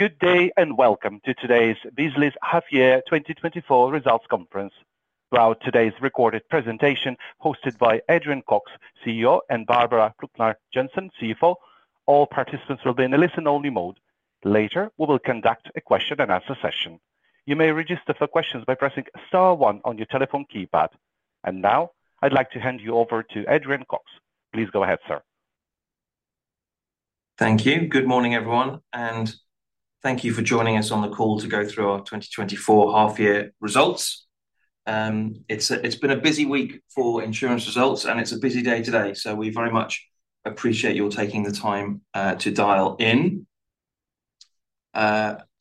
Good day, and welcome to today's Beazley's Half Year 2024 Results Conference. Throughout today's recorded presentation, hosted by Adrian Cox, CEO, and Barbara Plucnar Jensen, CFO, all participants will be in a listen-only mode. Later, we will conduct a question and answer session. You may register for questions by pressing star one on your telephone keypad. And now, I'd like to hand you over to Adrian Cox. Please go ahead, sir. Thank you. Good morning, everyone, and thank you for joining us on the call to go through our 2024 half year results. It's been a busy week for insurance results, and it's a busy day today, so we very much appreciate your taking the time to dial in.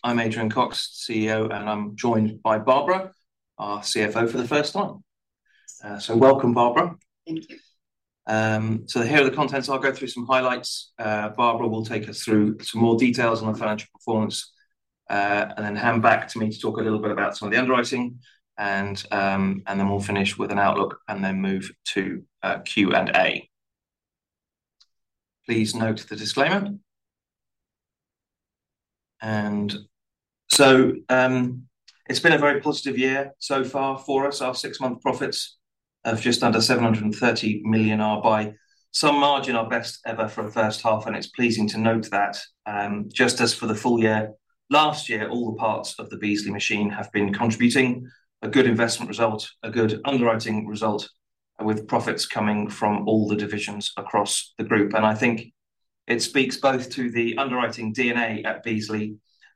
I'm Adrian Cox, CEO, and I'm joined by Barbara, our CFO for the first time. So welcome, Barbara. Thank you. So here are the contents. I'll go through some highlights. Barbara will take us through some more details on our financial performance, and then hand back to me to talk a little bit about some of the underwriting. And then we'll finish with an outlook and then move to Q&A. Please note the disclaimer. And so, it's been a very positive year so far for us. Our six-month profits of just under $730 million are, by some margin, our best ever for a first half, and it's pleasing to note that. Just as for the full year, last year, all the parts of the Beazley machine have been contributing a good investment result, a good underwriting result, with profits coming from all the divisions across the group. I think it speaks both to the underwriting DNA at Beazley,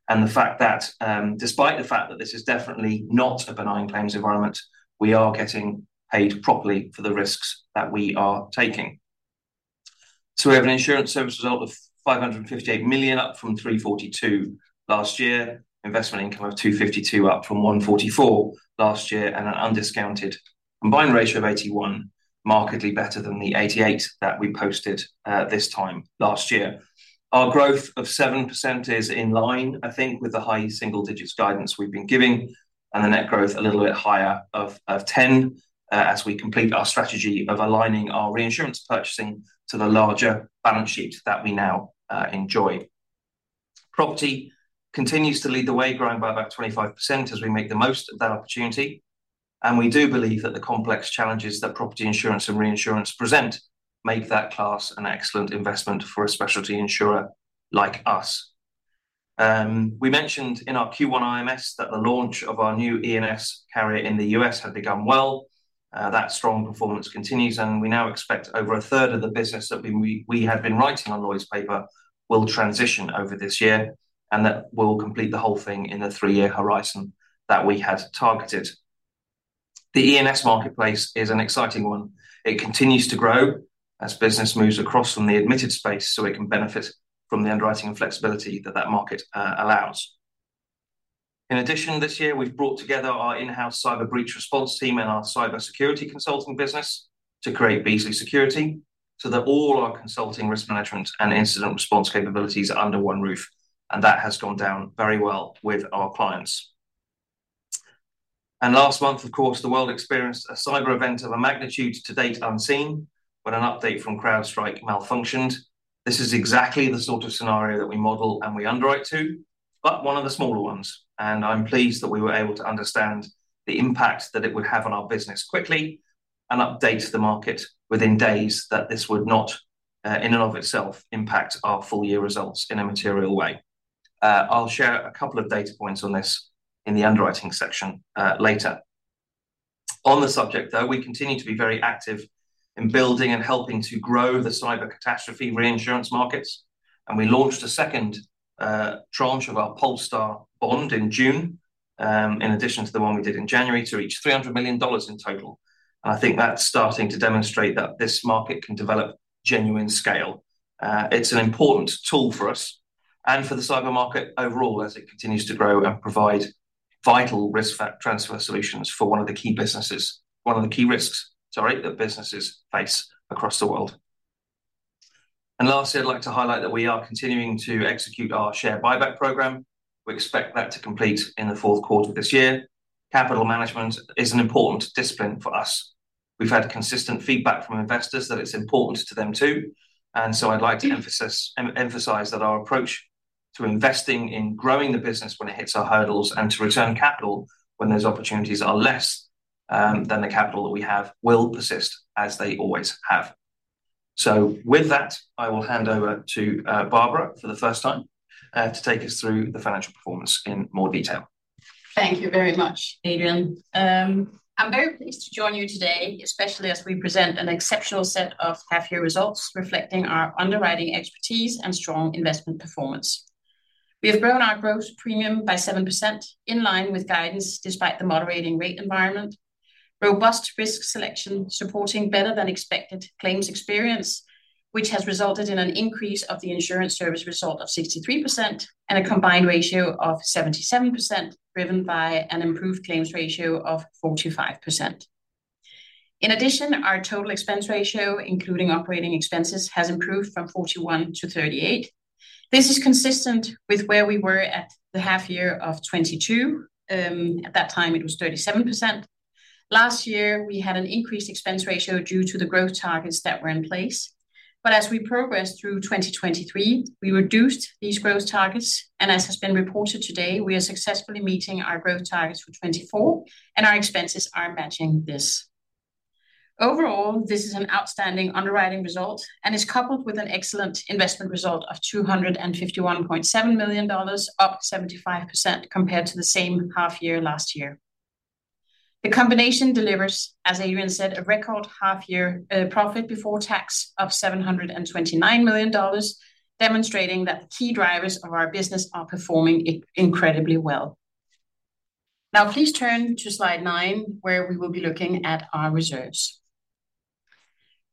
and the fact that, despite the fact that this is definitely not a benign claims environment, we are getting paid properly for the risks that we are taking. So we have an insurance service result of $558 million, up from $342 million last year. Investment income of $252 million, up from $144 million last year, and an undiscounted combined ratio of 81, markedly better than the 88 that we posted this time last year. Our growth of 7% is in line, I think, with the high single digits guidance we've been giving, and the net growth a little bit higher of 10, as we complete our strategy of aligning our reinsurance purchasing to the larger balance sheets that we now enjoy. Property continues to lead the way, growing by about 25% as we make the most of that opportunity, and we do believe that the complex challenges that property insurance and reinsurance present make that class an excellent investment for a specialty insurer like us. We mentioned in our Q1 IMS that the launch of our new E&S carrier in the U.S. had begun well. That strong performance continues, and we now expect over a third of the business that we have been writing on Lloyd’s paper will transition over this year, and that we’ll complete the whole thing in the three-year horizon that we had targeted. The E&S marketplace is an exciting one. It continues to grow as business moves across from the admitted space, so it can benefit from the underwriting and flexibility that that market allows. In addition, this year, we've brought together our in-house cyber breach response team and our cybersecurity consulting business to create Beazley Security, so that all our consulting, risk management, and incident response capabilities are under one roof, and that has gone down very well with our clients. Last month, of course, the world experienced a cyber event of a magnitude to date unseen when an update from CrowdStrike malfunctioned. This is exactly the sort of scenario that we model and we underwrite to, but one of the smaller ones. And I'm pleased that we were able to understand the impact that it would have on our business quickly and update the market within days, that this would not, in and of itself, impact our full year results in a material way. I'll share a couple of data points on this in the underwriting section, later. On the subject, though, we continue to be very active in building and helping to grow the cyber catastrophe reinsurance markets, and we launched a second tranche of our PoleStar bond in June, in addition to the one we did in January, to reach $300 million in total, and I think that's starting to demonstrate that this market can develop genuine scale. It's an important tool for us and for the cyber market overall as it continues to grow and provide vital risk transfer solutions for one of the key businesses, one of the key risks, sorry, that businesses face across the world. Lastly, I'd like to highlight that we are continuing to execute our share buyback program. We expect that to complete in the fourth quarter of this year. Capital management is an important discipline for us. We've had consistent feedback from investors that it's important to them, too, and so I'd like to emphasize that our approach to investing in growing the business when it hits our hurdles and to return capital when those opportunities are less than the capital that we have will persist as they always have. So with that, I will hand over to Barbara for the first time to take us through the financial performance in more detail. Thank you very much, Adrian. I'm very pleased to join you today, especially as we present an exceptional set of half-year results reflecting our underwriting expertise and strong investment performance. We have grown our gross premium by 7%, in line with guidance despite the moderating rate environment. Robust risk selection, supporting better-than-expected claims experience, which has resulted in an increase of the insurance service result of 63% and a combined ratio of 77%, driven by an improved claims ratio of 45%. In addition, our total expense ratio, including operating expenses, has improved from 41%-38%. This is consistent with where we were at the half year of 2022. At that time, it was 37%.... Last year, we had an increased expense ratio due to the growth targets that were in place. But as we progressed through 2023, we reduced these growth targets, and as has been reported today, we are successfully meeting our growth targets for 2024, and our expenses are matching this. Overall, this is an outstanding underwriting result, and is coupled with an excellent investment result of $251.7 million, up 75% compared to the same half year last year. The combination delivers, as Adrian said, a record half year profit before tax of $729 million, demonstrating that the key drivers of our business are performing incredibly well. Now, please turn to slide nine, where we will be looking at our reserves.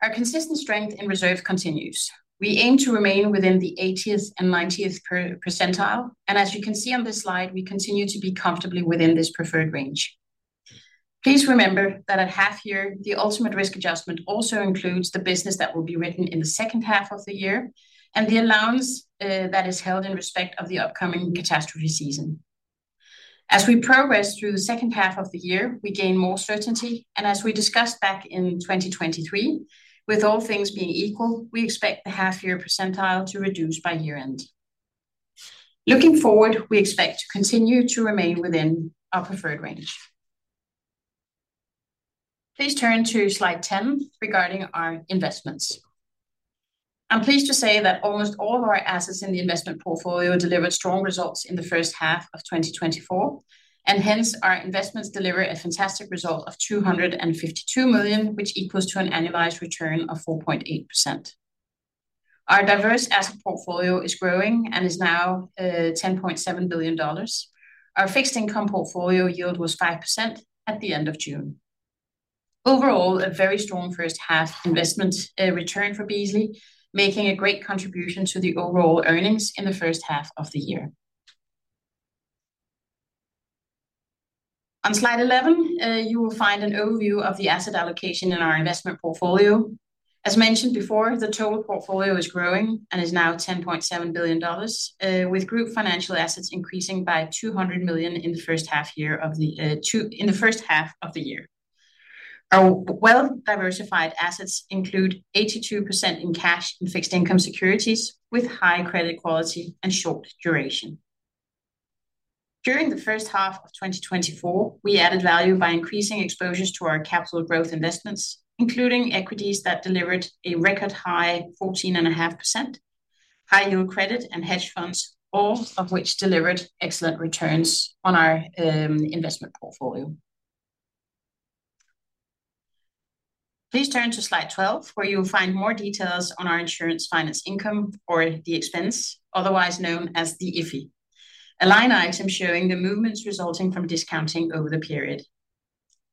Our consistent strength in reserving continues. We aim to remain within the 80th and 90th percentile, and as you can see on this slide, we continue to be comfortably within this preferred range. Please remember that at half year, the ultimate risk adjustment also includes the business that will be written in the second half of the year, and the allowance that is held in respect of the upcoming catastrophe season. As we progress through the second half of the year, we gain more certainty, and as we discussed back in 2023, with all things being equal, we expect the half year percentile to reduce by year end. Looking forward, we expect to continue to remain within our preferred range. Please turn to slide 10 regarding our investments. I'm pleased to say that almost all of our assets in the investment portfolio delivered strong results in the first half of 2024, and hence, our investments deliver a fantastic result of $252 million, which equals to an annualized return of 4.8%. Our diverse asset portfolio is growing and is now $10.7 billion. Our fixed income portfolio yield was 5% at the end of June. Overall, a very strong first half investment return for Beazley, making a great contribution to the overall earnings in the first half of the year. On slide 11, you will find an overview of the asset allocation in our investment portfolio. As mentioned before, the total portfolio is growing and is now $10.7 billion, with group financial assets increasing by $200 million in the first half of the year. Our well-diversified assets include 82% in cash and fixed income securities, with high credit quality and short duration. During the first half of 2024, we added value by increasing exposures to our capital growth investments, including equities that delivered a record high 14.5%, high yield credit and hedge funds, all of which delivered excellent returns on our investment portfolio. Please turn to slide 12, where you'll find more details on our insurance finance income or the expense, otherwise known as the IFI. A line item showing the movements resulting from discounting over the period.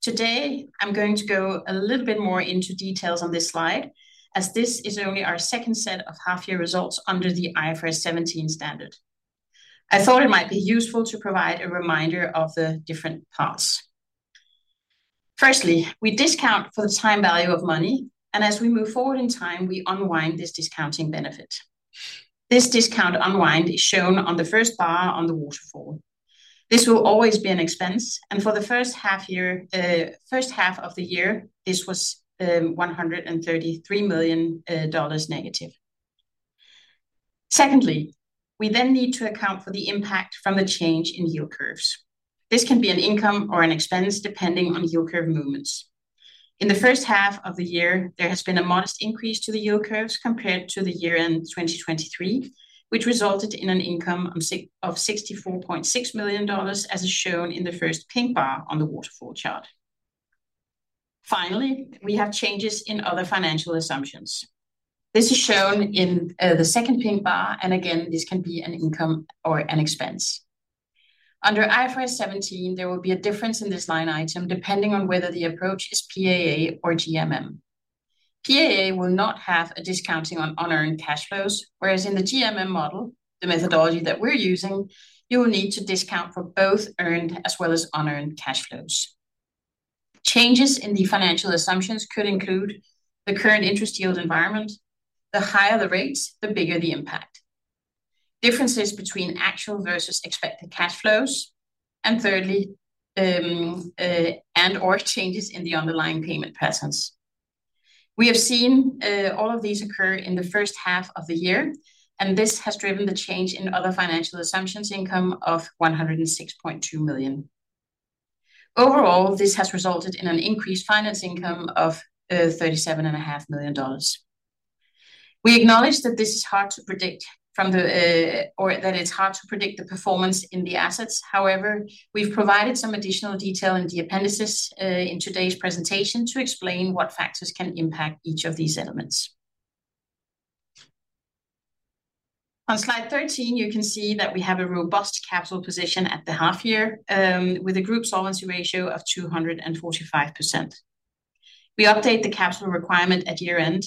Today, I'm going to go a little bit more into details on this slide, as this is only our second set of half year results under the IFRS 17 standard. I thought it might be useful to provide a reminder of the different parts. Firstly, we discount for the time value of money, and as we move forward in time, we unwind this discounting benefit. This discount unwind is shown on the first bar on the waterfall. This will always be an expense, and for the first half year, first half of the year, this was $133 million negative. Secondly, we then need to account for the impact from the change in yield curves. This can be an income or an expense, depending on yield curve movements. In the first half of the year, there has been a modest increase to the yield curves compared to the year-end 2023, which resulted in an income of $64.6 million, as is shown in the first pink bar on the waterfall chart. Finally, we have changes in other financial assumptions. This is shown in the second pink bar, and again, this can be an income or an expense. Under IFRS 17, there will be a difference in this line item, depending on whether the approach is PAA or GMM. PAA will not have a discounting on unearned cash flows, whereas in the GMM model, the methodology that we're using, you will need to discount for both earned as well as unearned cash flows. Changes in the financial assumptions could include the current interest yield environment. The higher the rates, the bigger the impact. Differences between actual versus expected cash flows, and thirdly, and/or changes in the underlying payment patterns. We have seen all of these occur in the first half of the year, and this has driven the change in other financial assumptions income of $106.2 million. Overall, this has resulted in an increased finance income of $37.5 million. We acknowledge that this is hard to predict from the, or that it's hard to predict the performance in the assets. However, we've provided some additional detail in the appendices, in today's presentation to explain what factors can impact each of these elements. On slide 13, you can see that we have a robust capital position at the half year, with a group solvency ratio of 245%. We update the capital requirement at year end,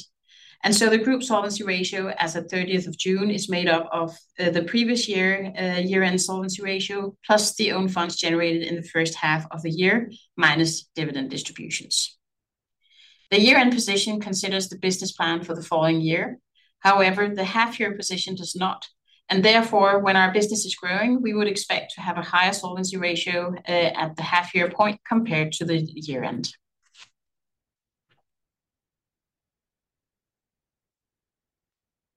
and so the group solvency ratio as at 30th of June is made up of, the previous year, year-end solvency ratio, plus the own funds generated in the first half of the year, minus dividend distributions. The year-end position considers the business plan for the following year. However, the half-year position does not, and therefore, when our business is growing, we would expect to have a higher solvency ratio at the half-year point compared to the year-end.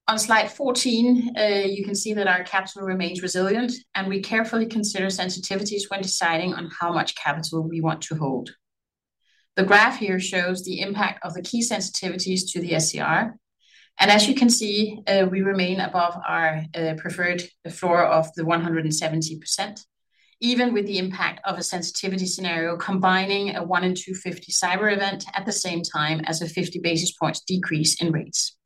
On slide 14, you can see that our capital remains resilient, and we carefully consider sensitivities when deciding on how much capital we want to hold. The graph here shows the impact of the key sensitivities to the SCR, and as you can see, we remain above our preferred floor of 170%, even with the impact of a sensitivity scenario, combining a 1 in 250 cyber event at the same time as a 50 basis points decrease in rates.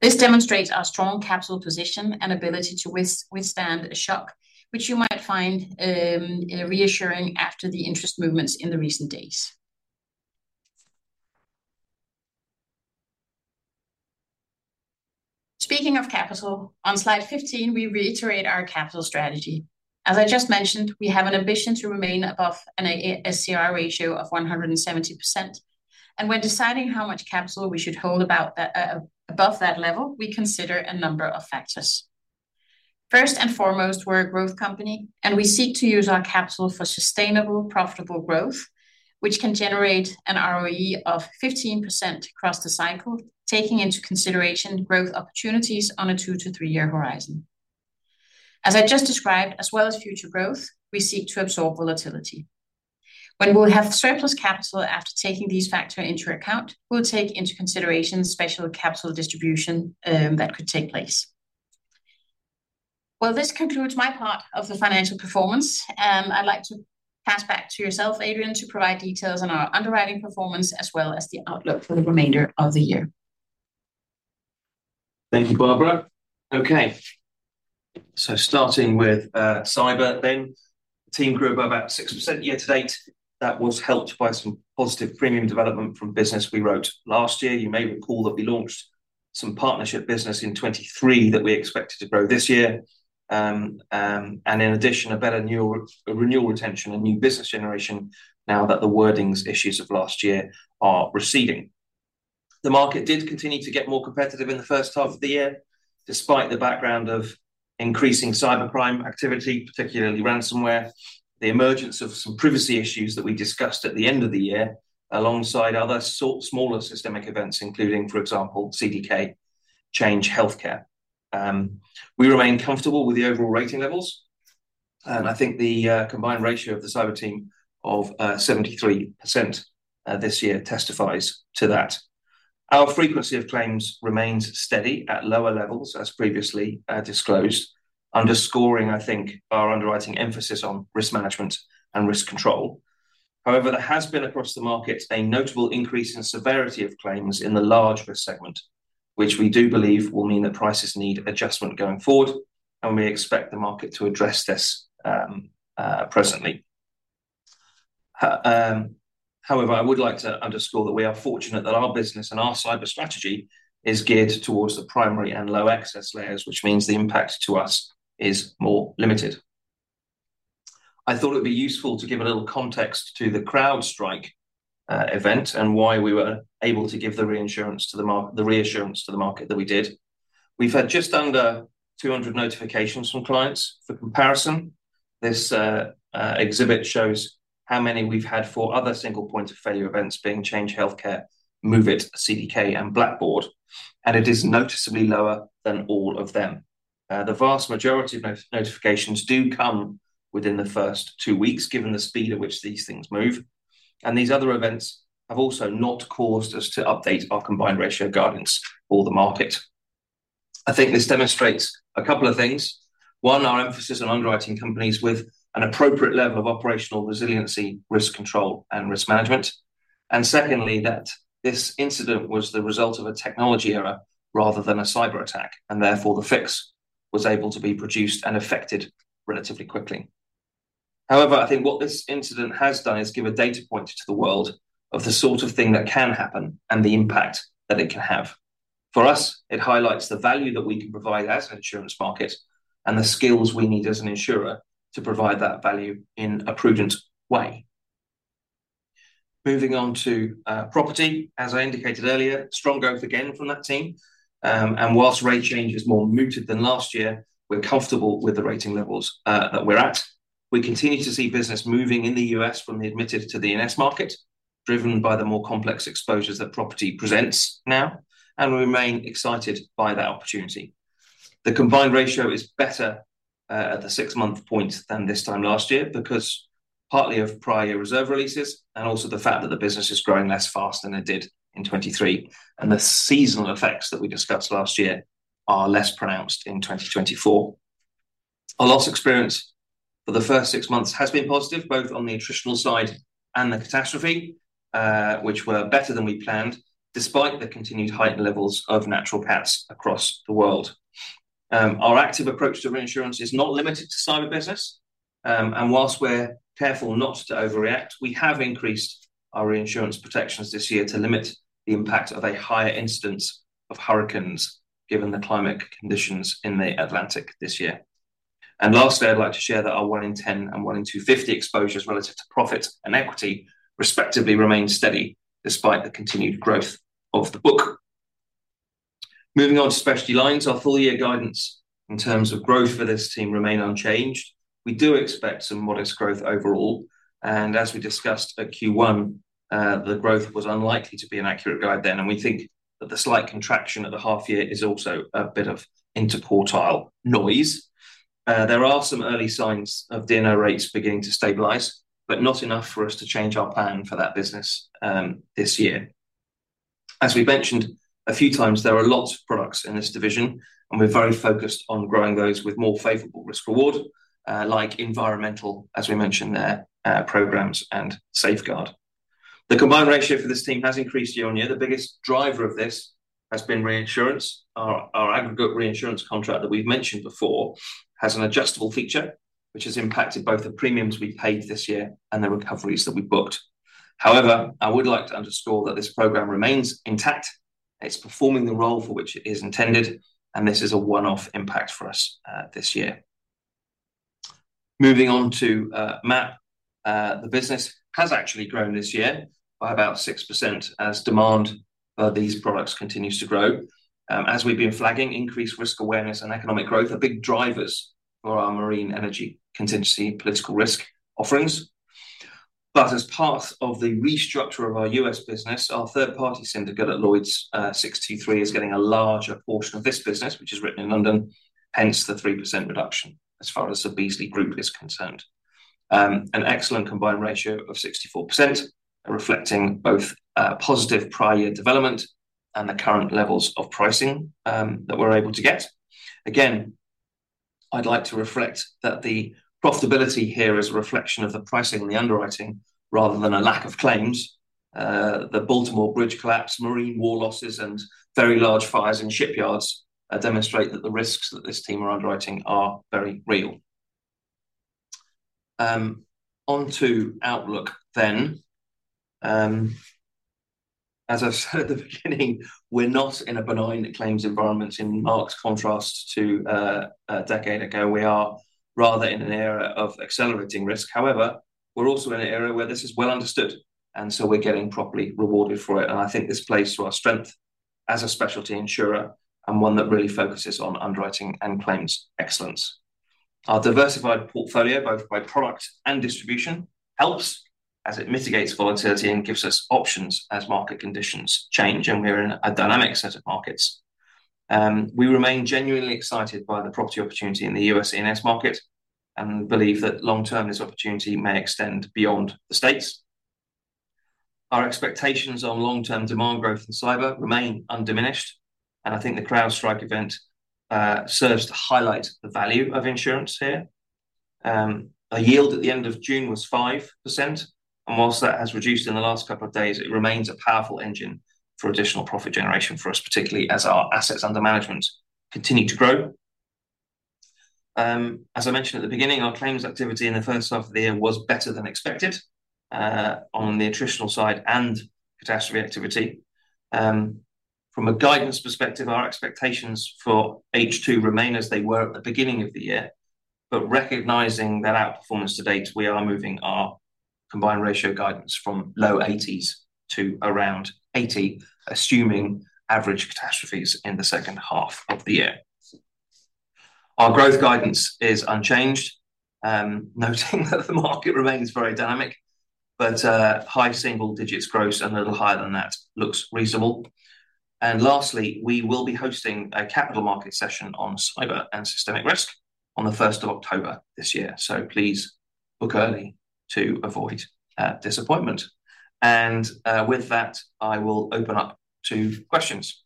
This demonstrates our strong capital position and ability to withstand a shock, which you might find reassuring after the interest movements in the recent days. Speaking of capital, on slide 15, we reiterate our capital strategy. As I just mentioned, we have an ambition to remain above an A- SCR ratio of 170%, and when deciding how much capital we should hold above that level, we consider a number of factors. First and foremost, we're a growth company, and we seek to use our capital for sustainable, profitable growth, which can generate an ROE of 15% across the cycle, taking into consideration growth opportunities on a two- to three-year horizon. As I just described, as well as future growth, we seek to absorb volatility. When we'll have surplus capital after taking these factors into account, we'll take into consideration special capital distribution that could take place. Well, this concludes my part of the financial performance. I'd like to pass back to yourself, Adrian, to provide details on our underwriting performance, as well as the outlook for the remainder of the year. Thank you, Barbara. Okay, so starting with cyber, the team grew by about 6% year to date. That was helped by some positive premium development from business we wrote last year. You may recall that we launched some partnership business in 2023 that we expected to grow this year. And in addition, a better renewal retention and new business generation now that the wordings issues of last year are receding. The market did continue to get more competitive in the first half of the year, despite the background of increasing cybercrime activity, particularly ransomware, the emergence of some privacy issues that we discussed at the end of the year, alongside other smaller systemic events, including, for example, CDK, Change Healthcare. We remain comfortable with the overall rating levels, and I think the combined ratio of the cyber team of 73% this year testifies to that. Our frequency of claims remains steady at lower levels, as previously disclosed, underscoring, I think, our underwriting emphasis on risk management and risk control. However, there has been, across the market, a notable increase in severity of claims in the large risk segment, which we do believe will mean that prices need adjustment going forward, and we expect the market to address this presently. However, I would like to underscore that we are fortunate that our business and our cyber strategy is geared towards the primary and low excess layers, which means the impact to us is more limited. I thought it'd be useful to give a little context to the CrowdStrike event, and why we were able to give the reinsurance to the reassurance to the market that we did. We've had just under 200 notifications from clients. For comparison, this exhibit shows how many we've had for other single point of failure events, being Change Healthcare, MOVEit, CDK, and Blackbaud, and it is noticeably lower than all of them. The vast majority of notifications do come within the first two weeks, given the speed at which these things move, and these other events have also not caused us to update our combined ratio guidance or the market. I think this demonstrates a couple of things. One, our emphasis on underwriting companies with an appropriate level of operational resiliency, risk control, and risk management. And secondly, that this incident was the result of a technology error rather than a cyber attack, and therefore, the fix was able to be produced and effected relatively quickly. However, I think what this incident has done is give a data point to the world of the sort of thing that can happen and the impact that it can have. For us, it highlights the value that we can provide as an insurance market and the skills we need as an insurer to provide that value in a prudent way. Moving on to property, as I indicated earlier, strong growth again from that team. And whilst rate change is more muted than last year, we're comfortable with the rating levels that we're at. We continue to see business moving in the U.S. from the admitted to the E&S market, driven by the more complex exposures that property presents now, and we remain excited by that opportunity. The combined ratio is better at the six-month point than this time last year, because partly of prior year reserve releases, and also the fact that the business is growing less fast than it did in 2023, and the seasonal effects that we discussed last year are less pronounced in 2024. Our loss experience for the first six months has been positive, both on the attritional side and the catastrophe, which were better than we planned, despite the continued heightened levels of natural pass across the world. Our active approach to reinsurance is not limited to cyber business, and while we're careful not to overreact, we have increased our reinsurance protections this year to limit the impact of a higher incidence of hurricanes, given the climate conditions in the Atlantic this year. Lastly, I'd like to share that our one in 10 and one in 250 exposures relative to profit and equity, respectively, remain steady despite the continued growth of the book. Moving on to specialty lines, our full year guidance in terms of growth for this team remain unchanged. We do expect some modest growth overall, and as we discussed at Q1, the growth was unlikely to be an accurate guide then, and we think that the slight contraction at the half year is also a bit of interquartile noise. There are some early signs of D&O rates beginning to stabilize, but not enough for us to change our plan for that business, this year. As we mentioned a few times, there are lots of products in this division, and we're very focused on growing those with more favorable risk reward, like environmental, as we mentioned there, programs and safeguard. The combined ratio for this team has increased year-over-year. The biggest driver of this has been reinsurance. Our aggregate reinsurance contract that we've mentioned before has an adjustable feature, which has impacted both the premiums we paid this year and the recoveries that we booked. However, I would like to underscore that this program remains intact, it's performing the role for which it is intended, and this is a one-off impact for us, this year. Moving on to MAP. The business has actually grown this year by about 6%, as demand for these products continues to grow. As we've been flagging, increased risk awareness and economic growth are big drivers for our marine energy contingency political risk offerings. But as part of the restructure of our U.S. business, our third-party syndicate at Lloyd's, 63, is getting a larger portion of this business, which is written in London, hence the 3% reduction as far as the Beazley group is concerned. An excellent combined ratio of 64%, reflecting both positive prior year development and the current levels of pricing that we're able to get. Again, I'd like to reflect that the profitability here is a reflection of the pricing and the underwriting, rather than a lack of claims. The Baltimore bridge collapse, marine war losses, and very large fires in shipyards demonstrate that the risks that this team are underwriting are very real. On to outlook then. As I said at the beginning, we're not in a benign claims environment, in marked contrast to a decade ago. We are rather in an era of accelerating risk. However, we're also in an era where this is well understood, and so we're getting properly rewarded for it, and I think this plays to our strength as a specialty insurer and one that really focuses on underwriting and claims excellence. Our diversified portfolio, both by product and distribution, helps as it mitigates volatility and gives us options as market conditions change, and we're in a dynamic set of markets. We remain genuinely excited by the property opportunity in the US E&S market, and believe that long term, this opportunity may extend beyond the States. Our expectations on long-term demand growth in cyber remain undiminished, and I think the CrowdStrike event serves to highlight the value of insurance here. Our yield at the end of June was 5%, and while that has reduced in the last couple of days, it remains a powerful engine for additional profit generation for us, particularly as our assets under management continue to grow. As I mentioned at the beginning, our claims activity in the first half of the year was better than expected on the attritional side and catastrophe activity. From a guidance perspective, our expectations for H2 remain as they were at the beginning of the year. But recognizing that outperformance to date, we are moving our combined ratio guidance from low 80s% to around 80%, assuming average catastrophes in the second half of the year. Our growth guidance is unchanged, noting that the market remains very dynamic, but high single digits% growth and a little higher than that looks reasonable. And lastly, we will be hosting a capital market session on cyber and systemic risk on the first of October 2024. So please book early to avoid disappointment. And with that, I will open up to questions.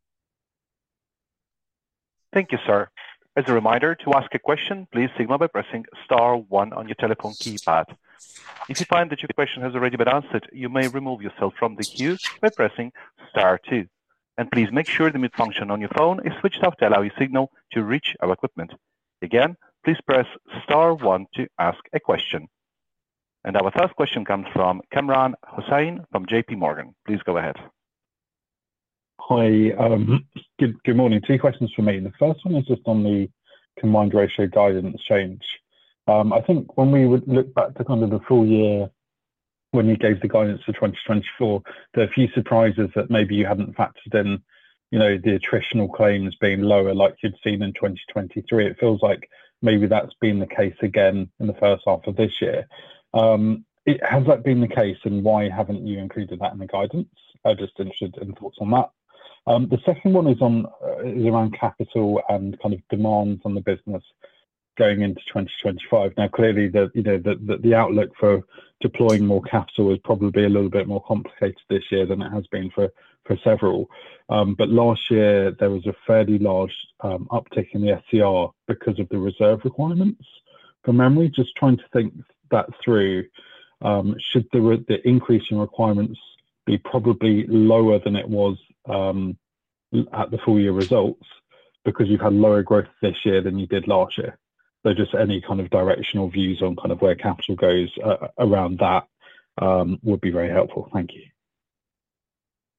Thank you, sir. As a reminder, to ask a question, please signal by pressing star one on your telephone keypad. If you find that your question has already been answered, you may remove yourself from the queue by pressing star two. And please make sure the mute function on your phone is switched off to allow a signal to reach our equipment. Again, please press star one to ask a question. And our first question comes from Kamran Hossain from JPMorgan. Please go ahead. Hi. Good, good morning. Two questions from me. The first one is just on the combined ratio guidance change. I think when we would look back to kind of the full year, when you gave the guidance for 2024, there are a few surprises that maybe you hadn't factored in, you know, the attritional claims being lower like you'd seen in 2023. It feels like maybe that's been the case again in the first half of this year. Has that been the case, and why haven't you included that in the guidance? I'm just interested in thoughts on that. The second one is on, is around capital and kind of demands on the business going into 2025. Now, clearly, the outlook for deploying more capital is probably a little bit more complicated this year than it has been for several. But last year there was a fairly large uptick in the SCR because of the reserve requirements, from memory. Just trying to think that through, should the increase in requirements be probably lower than it was at the full year results because you've had lower growth this year than you did last year? So just any kind of directional views on kind of where capital goes around that would be very helpful. Thank you....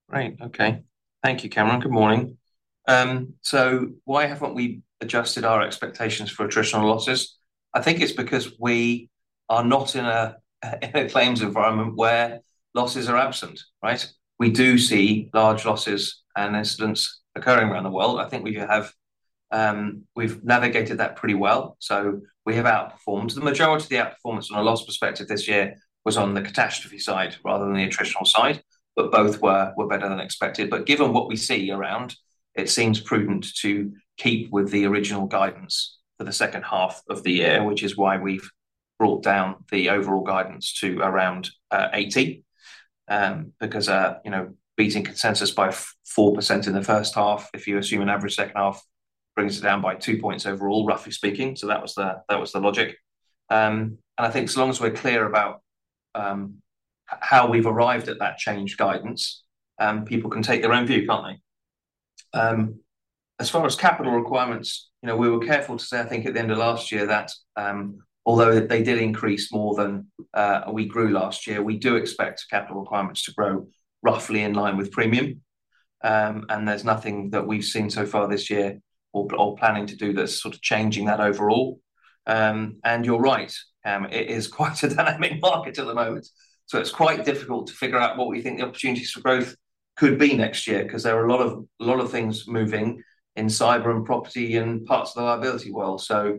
Great. Okay. Thank you, Kamran. Good morning. So why haven't we adjusted our expectations for attritional losses? I think it's because we are not in a claims environment where losses are absent, right? We do see large losses and incidents occurring around the world. I think we have we've navigated that pretty well, so we have outperformed. The majority of the outperformance from a loss perspective this year was on the catastrophe side rather than the attritional side, but both were better than expected. But given what we see around, it seems prudent to keep with the original guidance for the second half of the year, which is why we've brought down the overall guidance to around 80. Because, you know, beating consensus by 4% in the first half, if you assume an average second half, brings it down by 2 points overall, roughly speaking, so that was the, that was the logic. And I think as long as we're clear about how we've arrived at that changed guidance, people can take their own view, can't they? As far as capital requirements, you know, we were careful to say, I think at the end of last year, that, although they did increase more than we grew last year, we do expect capital requirements to grow roughly in line with premium. And there's nothing that we've seen so far this year or planning to do that's sort of changing that overall. And you're right, it is quite a dynamic market at the moment, so it's quite difficult to figure out what we think the opportunities for growth could be next year, 'cause there are a lot of, a lot of things moving in cyber and property and parts of the liability world. So,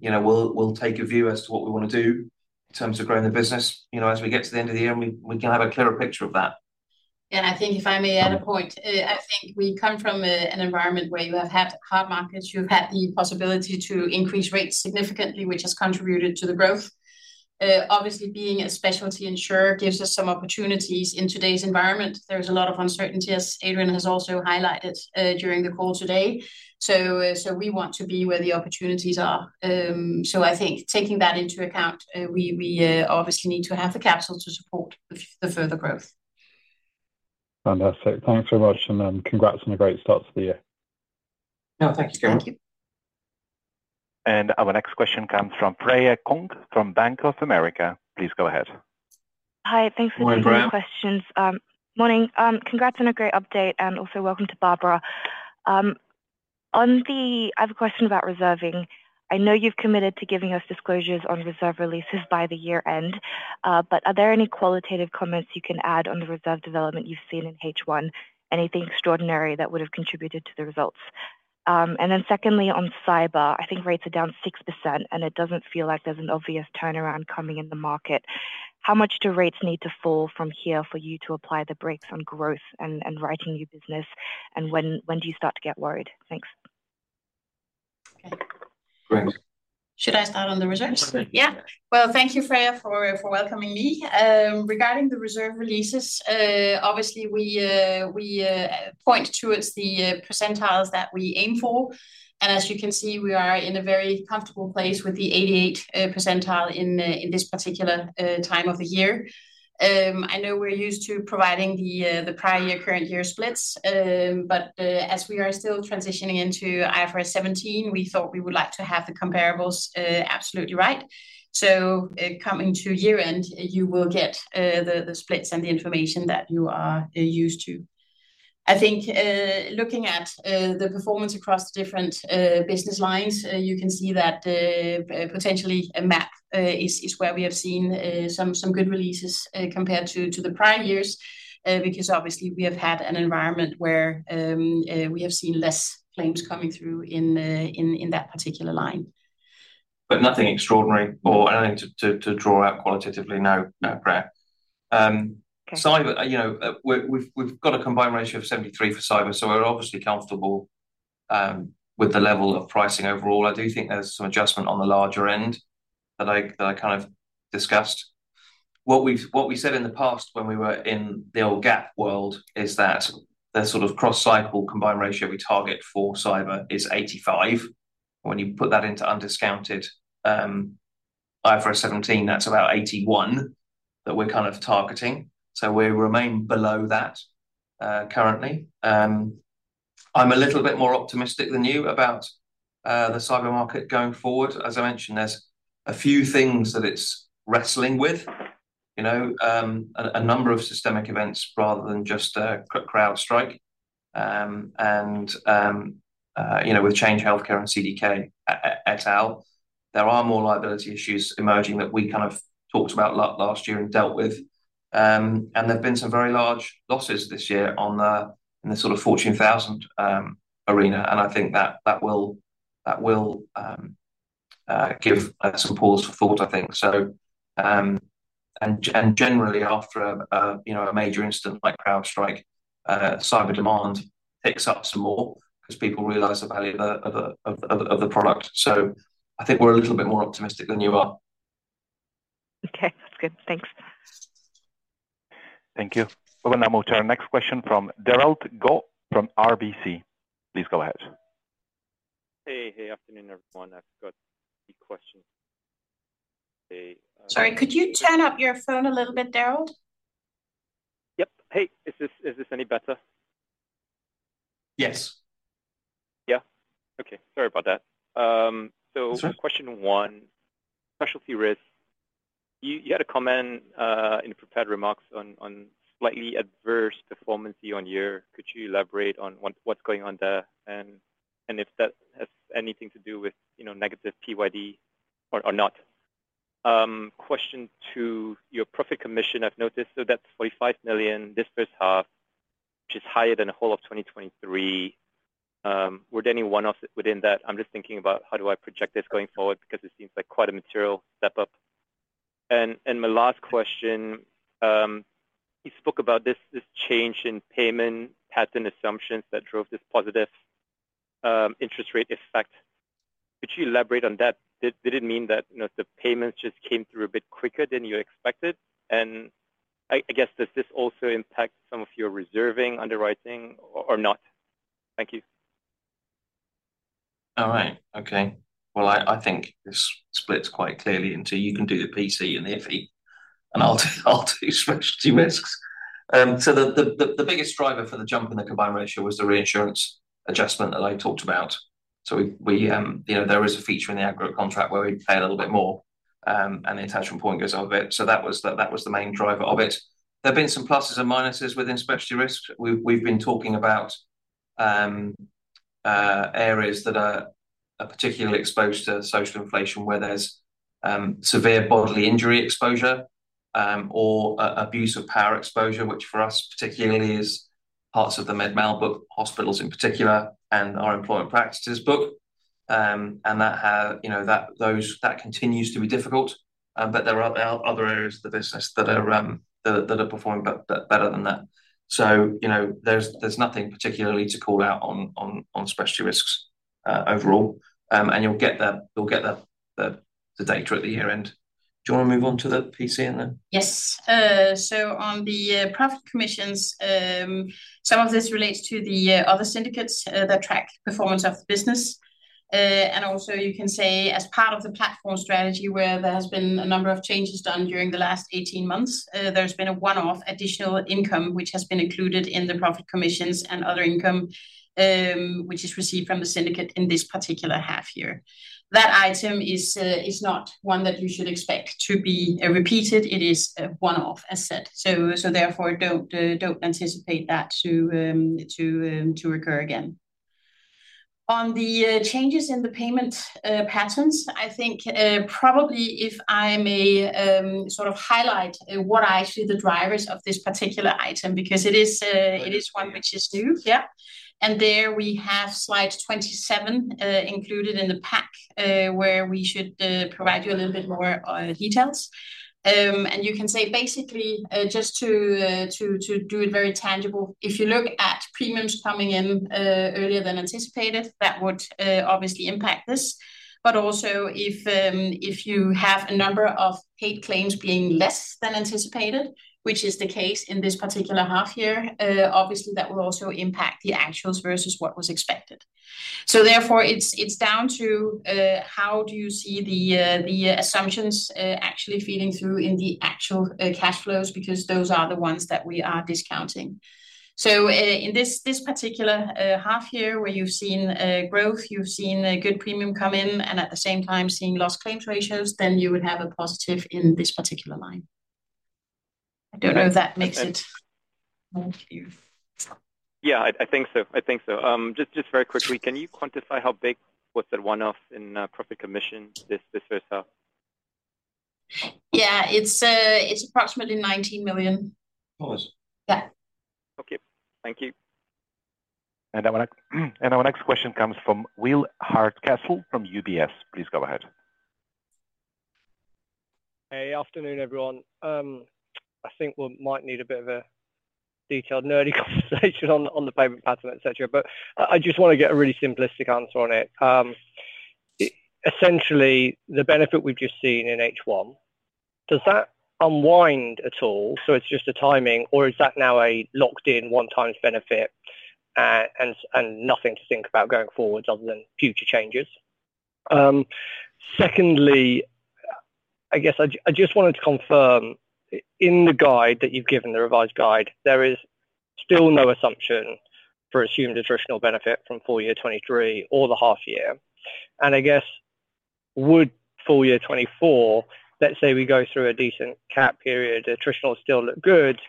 you know, we'll, we'll take a view as to what we want to do in terms of growing the business. You know, as we get to the end of the year, and we, we can have a clearer picture of that. And I think, if I may add a point, I think we come from an environment where you have had hard markets, you've had the possibility to increase rates significantly, which has contributed to the growth. Obviously, being a specialty insurer gives us some opportunities in today's environment. There's a lot of uncertainty, as Adrian has also highlighted, during the call today, so we want to be where the opportunities are. So I think taking that into account, we obviously need to have the capital to support the further growth. Fantastic. Thanks so much, and, congrats on a great start to the year. No, thank you very much. Thank you. Our next question comes from Freya Kong from Bank of America. Please go ahead. Hi, thanks for taking my questions. Hi, Freya. Morning. Congrats on a great update, and also welcome to Barbara. On the... I have a question about reserving. I know you've committed to giving us disclosures on reserve releases by the year-end, but are there any qualitative comments you can add on the reserve development you've seen in H1? Anything extraordinary that would've contributed to the results? And then secondly, on cyber, I think rates are down 6%, and it doesn't feel like there's an obvious turnaround coming in the market. How much do rates need to fall from here for you to apply the brakes on growth and writing new business? And when do you start to get worried? Thanks. Okay, great. Should I start on the reserves? Perfect. Yeah. Well, thank you, Freya, for welcoming me. Regarding the reserve releases, obviously, we point towards the percentiles that we aim for, and as you can see, we are in a very comfortable place with the 88 percentile in this particular time of the year. I know we're used to providing the prior year/current year splits, but as we are still transitioning into IFRS 17, we thought we would like to have the comparables absolutely right. So, coming to year-end, you will get the splits and the information that you are used to. I think, looking at the performance across different business lines, you can see that potentially, MAP is where we have seen some good releases compared to the prior years, because obviously we have had an environment where we have seen less claims coming through in that particular line. Nothing extraordinary or anything to draw out qualitatively, no, no, Freya. Okay. Cyber, you know, we've got a combined ratio of 73 for cyber, so we're obviously comfortable with the level of pricing overall. I do think there's some adjustment on the larger end that I kind of discussed. What we said in the past when we were in the old GAAP world is that the sort of cross-cycle combined ratio we target for cyber is 85. When you put that into undiscounted IFRS 17, that's about 81 that we're kind of targeting, so we remain below that currently. I'm a little bit more optimistic than you about the cyber market going forward. As I mentioned, there's a few things that it's wrestling with, you know, a number of systemic events rather than just a CrowdStrike. You know, with Change Healthcare and CDK, et al, there are more liability issues emerging that we kind of talked about last year and dealt with. And there've been some very large losses this year on the, in the sort of Fortune 1000 arena, and I think that will give some pause for thought, I think. So, and generally, after a, you know, a major incident like CrowdStrike, cyber demand picks up some more because people realize the value of the product. So I think we're a little bit more optimistic than you are. Okay, that's good. Thanks. Thank you. We will now move to our next question from Derald Goh from RBC. Please go ahead. Hey. Hey, afternoon, everyone. I've got a question. Okay, Sorry, could you turn up your phone a little bit, Darrell? Yep. Hey, is this, is this any better?... Yes. Yeah? Okay, sorry about that. Sure. Question one, specialty risk. You had a comment in your prepared remarks on slightly adverse performance year on year. Could you elaborate on what's going on there, and if that has anything to do with, you know, negative PYD or not? Question two, your profit commission, I've noticed so that's $45 million this first half, which is higher than the whole of 2023. Were there any one-offs within that? I'm just thinking about how do I project this going forward, because it seems like quite a material step up. And my last question, you spoke about this change in payment pattern assumptions that drove this positive interest rate effect. Could you elaborate on that? Did it mean that, you know, the payments just came through a bit quicker than you expected? I, I guess, does this also impact some of your reserving underwriting or not? Thank you. All right. Okay. Well, I think this splits quite clearly into you can do the PC and the FE, and I'll do specialty risks. So the biggest driver for the jump in the combined ratio was the reinsurance adjustment that I talked about. So we, you know, there is a feature in the aggregate contract where we pay a little bit more, and the attachment point goes up a bit. So that was the main driver of it. There have been some pluses and minuses within specialty risks. We've been talking about areas that are particularly exposed to social inflation, where there's severe bodily injury exposure, or abuse of power exposure, which for us particularly is parts of the med mal book, hospitals in particular, and our employment practices book. You know, that continues to be difficult, but there are other areas of the business that are performing better than that. So, you know, there's nothing particularly to call out on specialty risks overall. And you'll get the data at the year end. Do you want to move on to the PC then? Yes. So on the profit commissions, some of this relates to the other syndicates that track performance of the business. And also you can say as part of the platform strategy, where there has been a number of changes done during the last 18 months, there's been a one-off additional income which has been included in the profit commissions and other income, which is received from the syndicate in this particular half year. That item is not one that you should expect to be repeated. It is a one-off asset, so therefore don't anticipate that to recur again. On the changes in the payment patterns, I think probably if I may sort of highlight what are actually the drivers of this particular item, because it is one which is new. Yeah. And there we have slide 27 included in the pack where we should provide you a little bit more details. And you can say, basically, just to do it very tangible, if you look at premiums coming in earlier than anticipated, that would obviously impact this. But also if you have a number of paid claims being less than anticipated, which is the case in this particular half year, obviously, that will also impact the actuals versus what was expected. So therefore, it's down to how do you see the assumptions actually feeding through in the actual cash flows, because those are the ones that we are discounting. So, in this particular half year, where you've seen growth, you've seen a good premium come in, and at the same time seeing loss claims ratios, then you would have a positive in this particular line. I don't know if that makes it more clear. Yeah, I, I think so. I think so. Just, just very quickly, can you quantify how big was that one-off in profit commission this, this first half? Yeah, it's, it's approximately $19 million. Dollars. Yeah. Okay. Thank you. Our next question comes from Will Hardcastle from UBS. Please go ahead. Hey, afternoon, everyone. I think we might need a bit of a detailed nerdy conversation on the payment pattern, et cetera, but I just want to get a really simplistic answer on it. Essentially, the benefit we've just seen in H1, does that unwind at all, so it's just a timing, or is that now a locked-in, one-times benefit, and nothing to think about going forwards other than future changes? Secondly, I guess I just wanted to confirm, in the guide that you've given, the revised guide, there is still no assumption for assumed attritional benefit from full year 2023 or the half year. And I guess, would full year 2024, let's say we go through a decent cat period, the attritional still look good,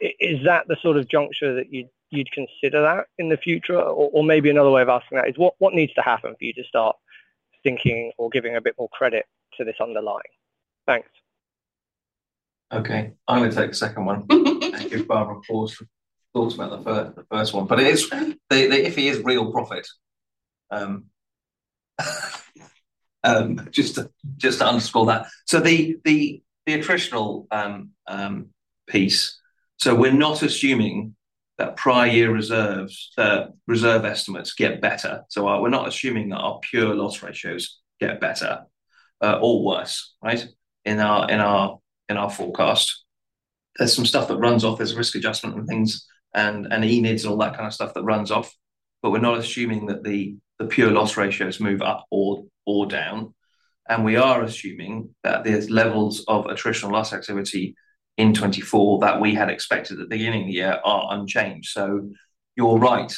is that the sort of juncture that you'd consider that in the future? Maybe another way of asking that is, what needs to happen for you to start thinking or giving a bit more credit to this underlying? Thanks. Okay, I'm going to take the second one. And give Barbara applause, thoughts about the first one. But it is the FE is real profit. Just to underscore that. So the attritional piece, so we're not assuming that prior year reserves, reserve estimates get better. So we're not assuming that our pure loss ratios get better or worse, right? In our forecast. There's some stuff that runs off, there's risk adjustment and things, and ENIDs, all that kind of stuff that runs off, but we're not assuming that the pure loss ratios move up or down. And we are assuming that there's levels of attritional loss activity in 2024 that we had expected at the beginning of the year are unchanged. So you're right,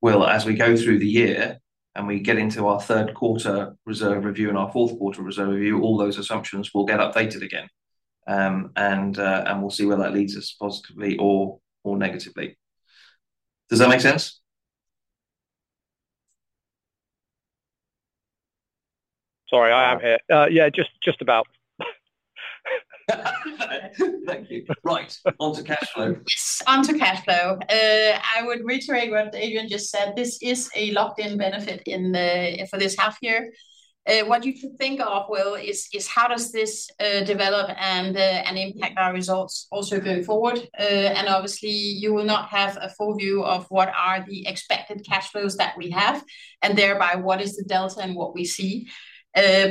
well, as we go through the year and we get into our third quarter reserve review and our fourth quarter reserve review, all those assumptions will get updated again. And we'll see where that leads us positively or negatively. Does that make sense? Sorry, I am here. Yeah, just, just about. Thank you. Right, onto cash flow. Yes, onto cash flow. I would reiterate what Adrian just said, this is a locked-in benefit in the, for this half year. What you should think of, well, is, is how does this develop and, and impact our results also going forward? And obviously, you will not have a full view of what are the expected cash flows that we have, and thereby what is the delta and what we see.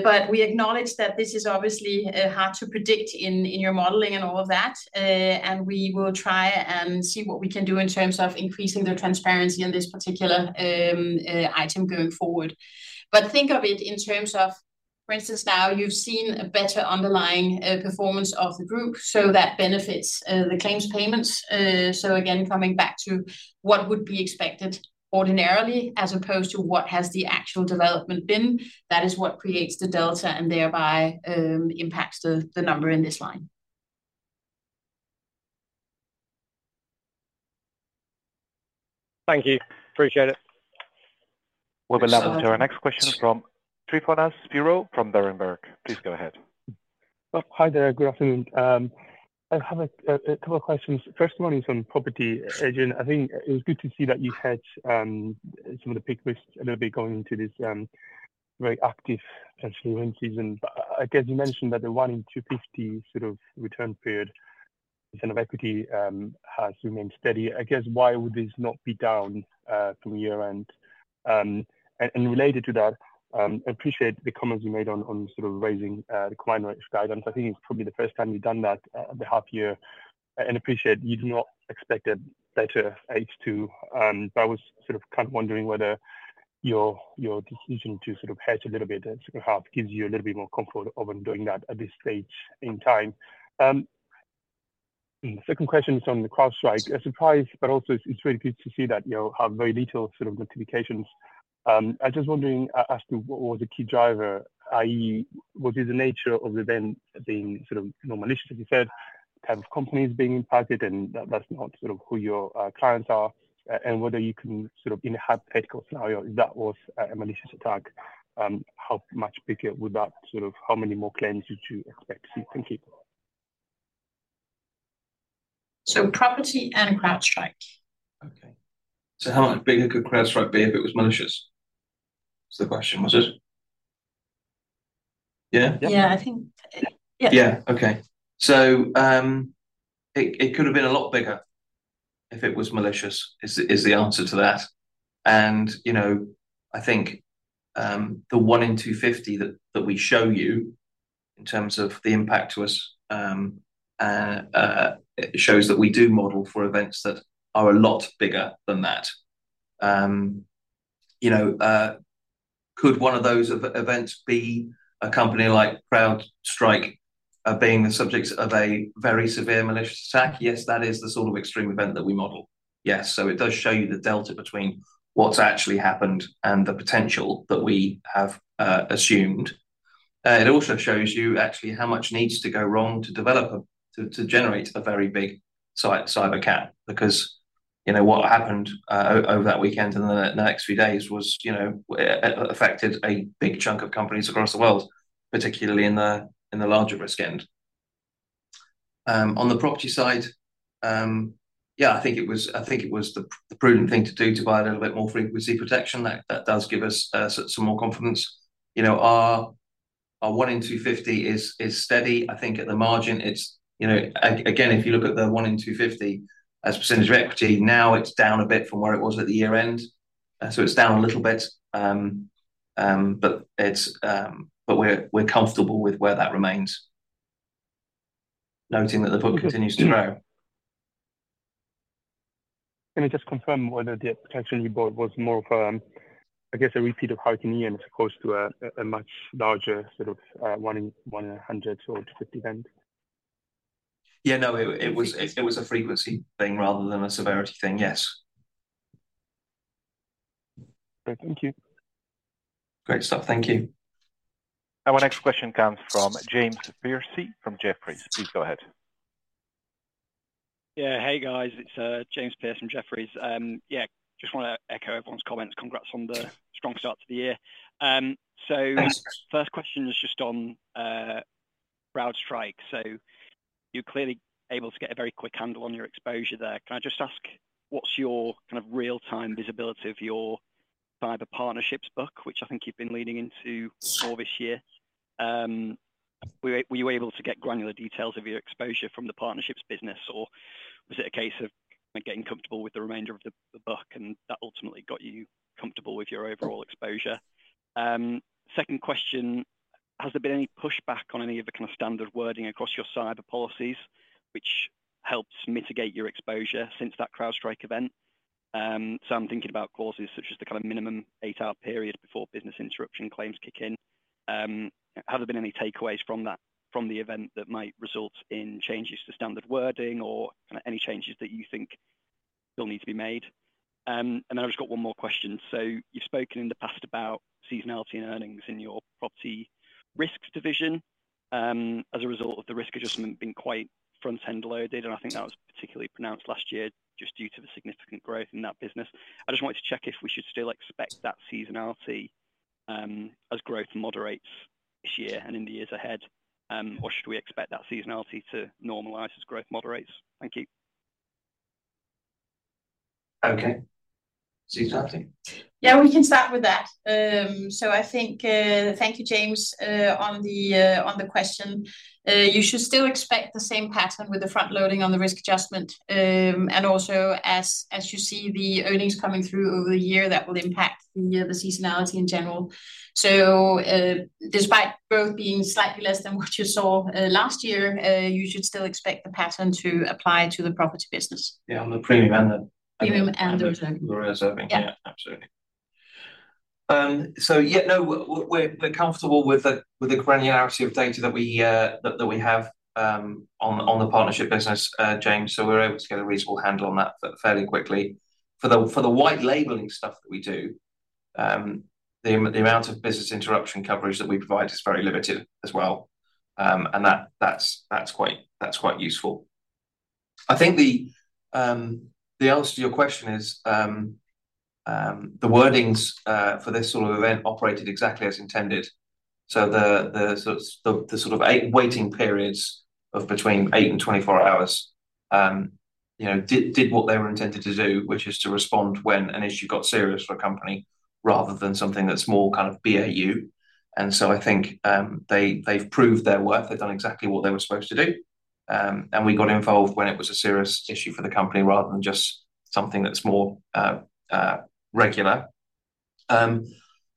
But we acknowledge that this is obviously hard to predict in, in your modeling and all of that, and we will try and see what we can do in terms of increasing the transparency in this particular item going forward. But think of it in terms of, for instance, now you've seen a better underlying performance of the group, so that benefits the claims payments. So again, coming back to what would be expected ordinarily, as opposed to what has the actual development been. That is what creates the delta, and thereby, impacts the number in this line. Thank you. Appreciate it. We'll move to our next question from Tryfonas Spyrou from Berenberg. Please go ahead. Well, hi there, good afternoon. I have a couple of questions. First one is on property, Adrian. I think it was good to see that you hedged some of the big risks a little bit going into this very active potential wind season. But I guess you mentioned that the one in 250 sort of return period percent of equity has remained steady. I guess, why would this not be down from year-end? And related to that, appreciate the comments you made on sort of raising the crime rate guidance. I think it's probably the first time you've done that at the half year, and appreciate you do not expect a better H2. But I was sort of kind of wondering whether your decision to sort of hedge a little bit at second half gives you a little bit more comfort over doing that at this stage in time. Second question is on the CrowdStrike. A surprise, but also it's really good to see that you have very little sort of notifications. I just wondering as to what was the key driver, i.e., what is the nature of the event being sort of, you know, malicious, as you said, type of companies being impacted, and that's not sort of who your clients are, and whether you can sort of in a hypothetical scenario, if that was a malicious attack, how much bigger would that sort of... How many more claims would you expect to see? Thank you. Property and CrowdStrike. Okay. How much bigger could CrowdStrike be if it was malicious? Is the question, was it? Yeah. Yeah, I think, yeah. Yeah. Okay. So, it could have been a lot bigger if it was malicious, is the answer to that. And, you know, I think, the one in 250 that we show you in terms of the impact to us, shows that we do model for events that are a lot bigger than that. You know, could one of those events be a company like CrowdStrike being the subject of a very severe malicious attack? Yes, that is the sort of extreme event that we model. Yes, so it does show you the delta between what's actually happened and the potential that we have assumed. It also shows you actually how much needs to go wrong to generate a very big cyber cat, because, you know, what happened over that weekend and the next few days was, you know, affected a big chunk of companies across the world, particularly in the larger risk end. On the property side, yeah, I think it was the prudent thing to do to buy a little bit more frequency protection. That does give us some more confidence. You know, our 1 in 250 is steady. I think at the margin, it's... You know, again, if you look at the 1 in 250 as percentage of equity, now it's down a bit from where it was at the year end. It's down a little bit, but we're comfortable with where that remains, noting that the book continues to grow. Let me just confirm whether the protection you bought was more of a, I guess, a repeat of Hurricane Ian, as opposed to a much larger sort of, 1 in 100 or 250 event? Yeah, no, it was a frequency thing rather than a severity thing. Yes. Okay, thank you. Great stuff. Thank you. Our next question comes from James Pearcey from Jefferies. Please go ahead. Yeah. Hey, guys, it's James Pearce from Jefferies. Yeah, just want to echo everyone's comments. Congrats on the strong start to the year. So- Thanks. First question is just on CrowdStrike. So you're clearly able to get a very quick handle on your exposure there. Can I just ask, what's your kind of real-time visibility of your cyber partnerships book, which I think you've been leaning into more this year? Were you able to get granular details of your exposure from the partnerships business, or was it a case of getting comfortable with the remainder of the book, and that ultimately got you comfortable with your overall exposure? Second question... Has there been any pushback on any of the kind of standard wording across your cyber policies, which helps mitigate your exposure since that CrowdStrike event? So I'm thinking about clauses such as the kind of minimum eight-hour period before business interruption claims kick in. Have there been any takeaways from that, from the event, that might result in changes to standard wording or any changes that you think still need to be made? And then I've just got one more question. So you've spoken in the past about seasonality and earnings in your property risks division, as a result of the risk adjustment being quite front-end loaded, and I think that was particularly pronounced last year just due to the significant growth in that business. I just wanted to check if we should still expect that seasonality, as growth moderates this year and in the years ahead, or should we expect that seasonality to normalize as growth moderates? Thank you. Okay. Seasonality? Yeah, we can start with that. So I think, thank you, James, on the question. You should still expect the same pattern with the front loading on the risk adjustment. And also as you see the earnings coming through over the year, that will impact the seasonality in general. So, despite both being slightly less than what you saw last year, you should still expect the pattern to apply to the property business. Yeah, on the premium and the- Premium and the return. Yeah, absolutely. So yeah, no, we're comfortable with the granularity of data that we have on the partnership business, James, so we're able to get a reasonable handle on that fairly quickly. For the white labeling stuff that we do, the amount of business interruption coverage that we provide is very limited as well. And that's quite useful. I think the answer to your question is the wordings for this sort of event operated exactly as intended. So the sort of 8 waiting periods of between 8 and 24 hours, you know, did what they were intended to do, which is to respond when an issue got serious for a company, rather than something that's more kind of BAU. And so I think, they've proved their worth, they've done exactly what they were supposed to do. And we got involved when it was a serious issue for the company, rather than just something that's more regular.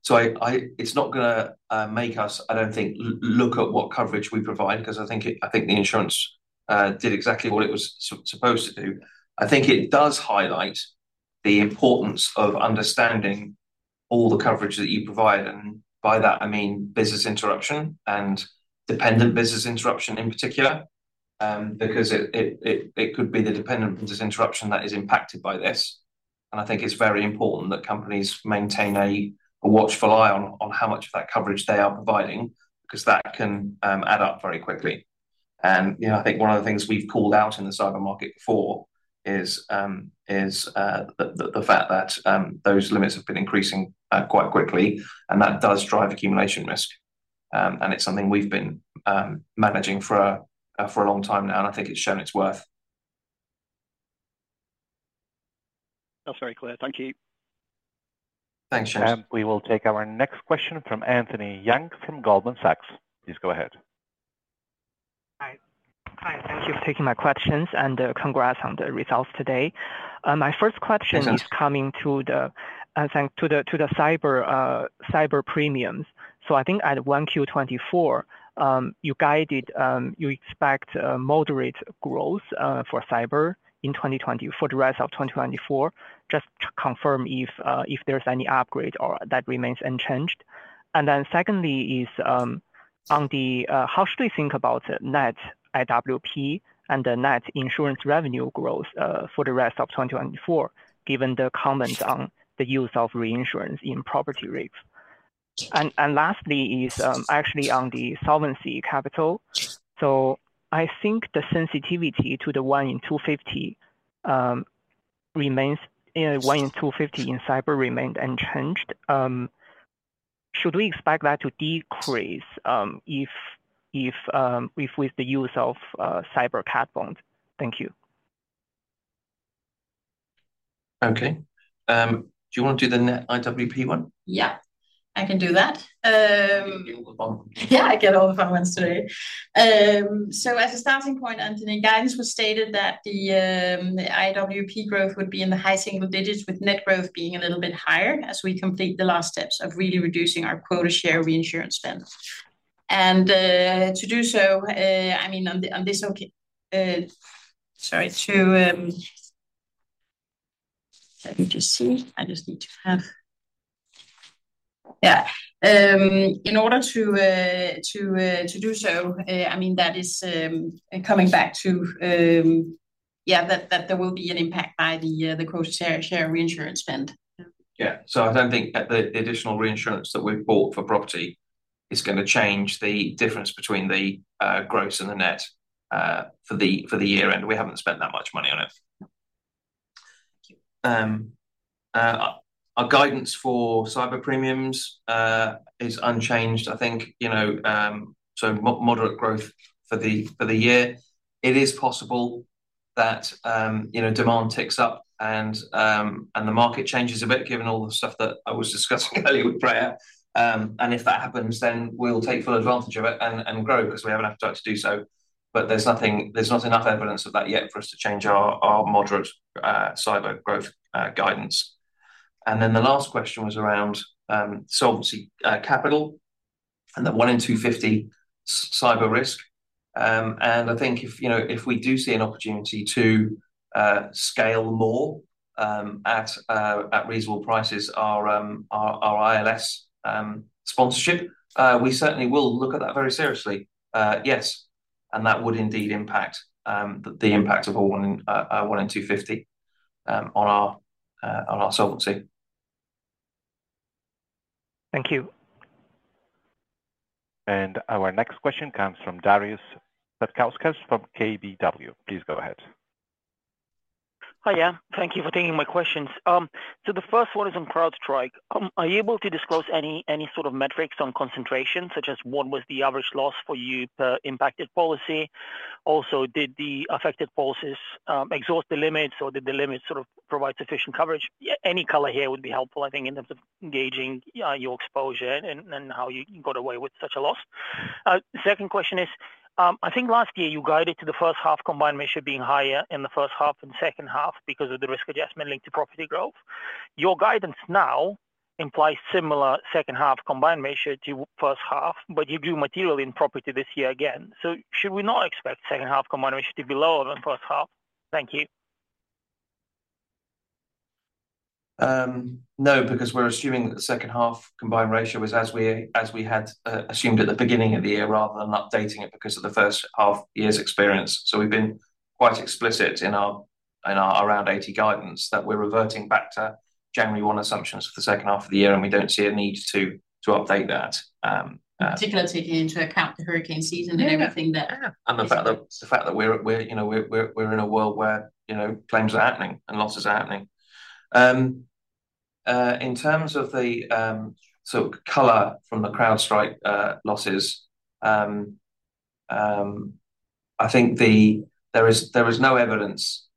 So I... It's not gonna make us, I don't think, look at what coverage we provide, 'cause I think the insurance did exactly what it was supposed to do. I think it does highlight the importance of understanding all the coverage that you provide, and by that I mean business interruption, and dependent business interruption in particular. Because it could be the dependent business interruption that is impacted by this. And I think it's very important that companies maintain a watchful eye on how much of that coverage they are providing, 'cause that can add up very quickly. And, you know, I think one of the things we've called out in the cyber market before is the fact that those limits have been increasing quite quickly, and that does drive accumulation risk. And it's something we've been managing for a long time now, and I think it's shown its worth. That's very clear. Thank you. Thanks, James. We will take our next question from Anthony Yang, from Goldman Sachs. Please go ahead. Hi. Hi, thank you for taking my questions, and, congrats on the results today. My first question- Thanks, Anthony... is coming to the thanks to the cyber premiums. So I think at 1Q 2024, you guided, you expect, moderate growth, for cyber in 2024 for the rest of 2024. Just to confirm if, if there's any upgrade or that remains unchanged? And then secondly is, on the, how should we think about the net IWP and the net insurance revenue growth, for the rest of 2024, given the comments on the use of reinsurance in property rates? And lastly is, actually on the solvency capital. So I think the sensitivity to the 1 in 250, remains, 1 in 250 in cyber remained unchanged. Should we expect that to decrease, if, if, if with the use of, cyber cat bonds? Thank you. Okay. Do you want to do the net IWP one? Yeah, I can do that. You get all the fun ones. Yeah, I get all the fun ones today. So as a starting point, Anthony, guidance was stated that the IWP growth would be in the high single digits, with net growth being a little bit higher as we complete the last steps of really reducing our quota share reinsurance spend. And to do so, I mean... Sorry, let me just see. I just need to have... Yeah. In order to do so, I mean, that is coming back to, yeah, that there will be an impact by the quota share reinsurance spend. Yeah. So I don't think that the additional reinsurance that we've bought for property is gonna change the difference between the gross and the net for the year end. We haven't spent that much money on it. Thank you. Our guidance for cyber premiums is unchanged. I think, you know, moderate growth for the year. It is possible that, you know, demand ticks up and the market changes a bit, given all the stuff that I was discussing earlier with Priya. And if that happens, then we'll take full advantage of it and grow, 'cause we have an appetite to do so... but there's nothing, there's not enough evidence of that yet for us to change our moderate cyber growth guidance. And then the last question was around solvency capital, and the 1 in 250 cyber risk. I think if, you know, if we do see an opportunity to scale more at reasonable prices our ILS sponsorship, we certainly will look at that very seriously. Yes, and that would indeed impact the impact of our 1 in 250 on our solvency. Thank you. Our next question comes from Darius Satkauskas from KBW. Please go ahead. Hi, yeah. Thank you for taking my questions. So the first one is on CrowdStrike. Are you able to disclose any, any sort of metrics on concentration, such as what was the average loss for you per impacted policy? Also, did the affected policies exhaust the limits, or did the limits sort of provide sufficient coverage? Yeah, any color here would be helpful, I think, in terms of gauging your exposure and how you got away with such a loss. Second question is, I think last year you guided to the first half combined ratio being higher in the first half than second half because of the risk adjustment linked to property growth. Your guidance now implies similar second half combined ratio to first half, but you grew materially in property this year again. Should we not expect second half combined ratio to be lower than first half? Thank you. No, because we're assuming that the second half combined ratio was as we, as we had assumed at the beginning of the year, rather than updating it because of the first half year's experience. So we've been quite explicit in our, in our around 80% guidance that we're reverting back to January 1 assumptions for the second half of the year, and we don't see a need to, to update that, Particularly taking into account the hurricane season and everything that- Yeah, yeah. And the fact that we're, you know, we're in a world where, you know, claims are happening and losses are happening. In terms of the, so color from the CrowdStrike losses, I think there is no evidence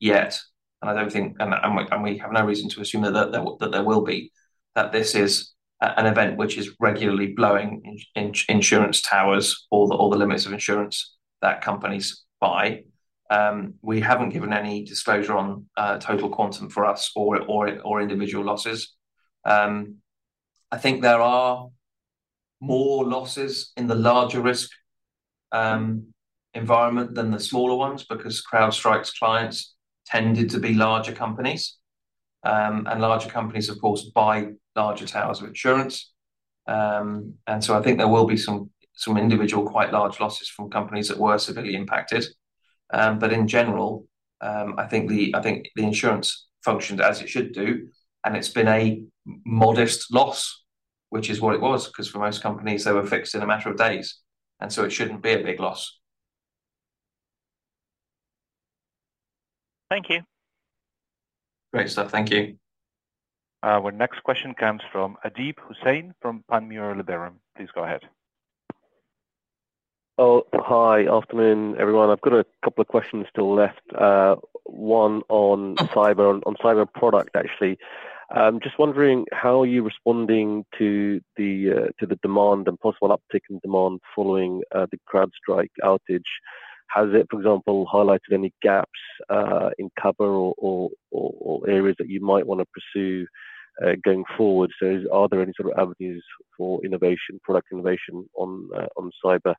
yet, and I don't think and we have no reason to assume that there will be that this is an event which is regularly blowing in insurance towers or the limits of insurance that companies buy. We haven't given any disclosure on total quantum for us or individual losses. I think there are more losses in the larger risk environment than the smaller ones, because CrowdStrike's clients tended to be larger companies. Larger companies, of course, buy larger towers of insurance. And so I think there will be some individual, quite large losses from companies that were severely impacted. But in general, I think the insurance functioned as it should do, and it's been a modest loss, which is what it was, 'cause for most companies, they were fixed in a matter of days, and so it shouldn't be a big loss. Thank you. Great stuff. Thank you. Our next question comes from Abid Hussain from Panmure Gordon. Please go ahead. Oh, hi. Afternoon, everyone. I've got a couple of questions to the left. One on cyber, on cyber product, actually. Just wondering, how are you responding to the demand and possible uptick in demand following the CrowdStrike outage? Has it, for example, highlighted any gaps in cover or areas that you might wanna pursue going forward? So are there any sort of avenues for innovation, product innovation on cyber?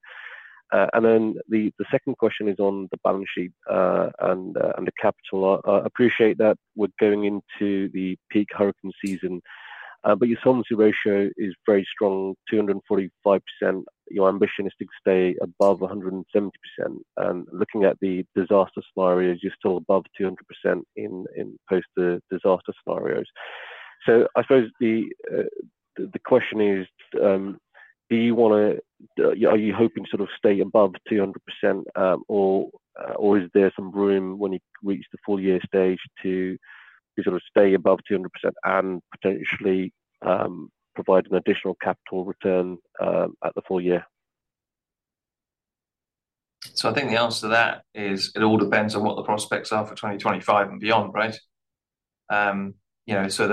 And then the second question is on the balance sheet and the capital. I appreciate that we're going into the peak hurricane season, but your solvency ratio is very strong, 245%. Your ambition is to stay above 170%. Looking at the disaster scenarios, you're still above 200% in post-disaster scenarios. So I suppose the question is, do you wanna... Are you hoping to sort of stay above 200%, or is there some room when you reach the full year stage to sort of stay above 200% and potentially provide an additional capital return at the full year? So I think the answer to that is it all depends on what the prospects are for 2025 and beyond, right? You know, so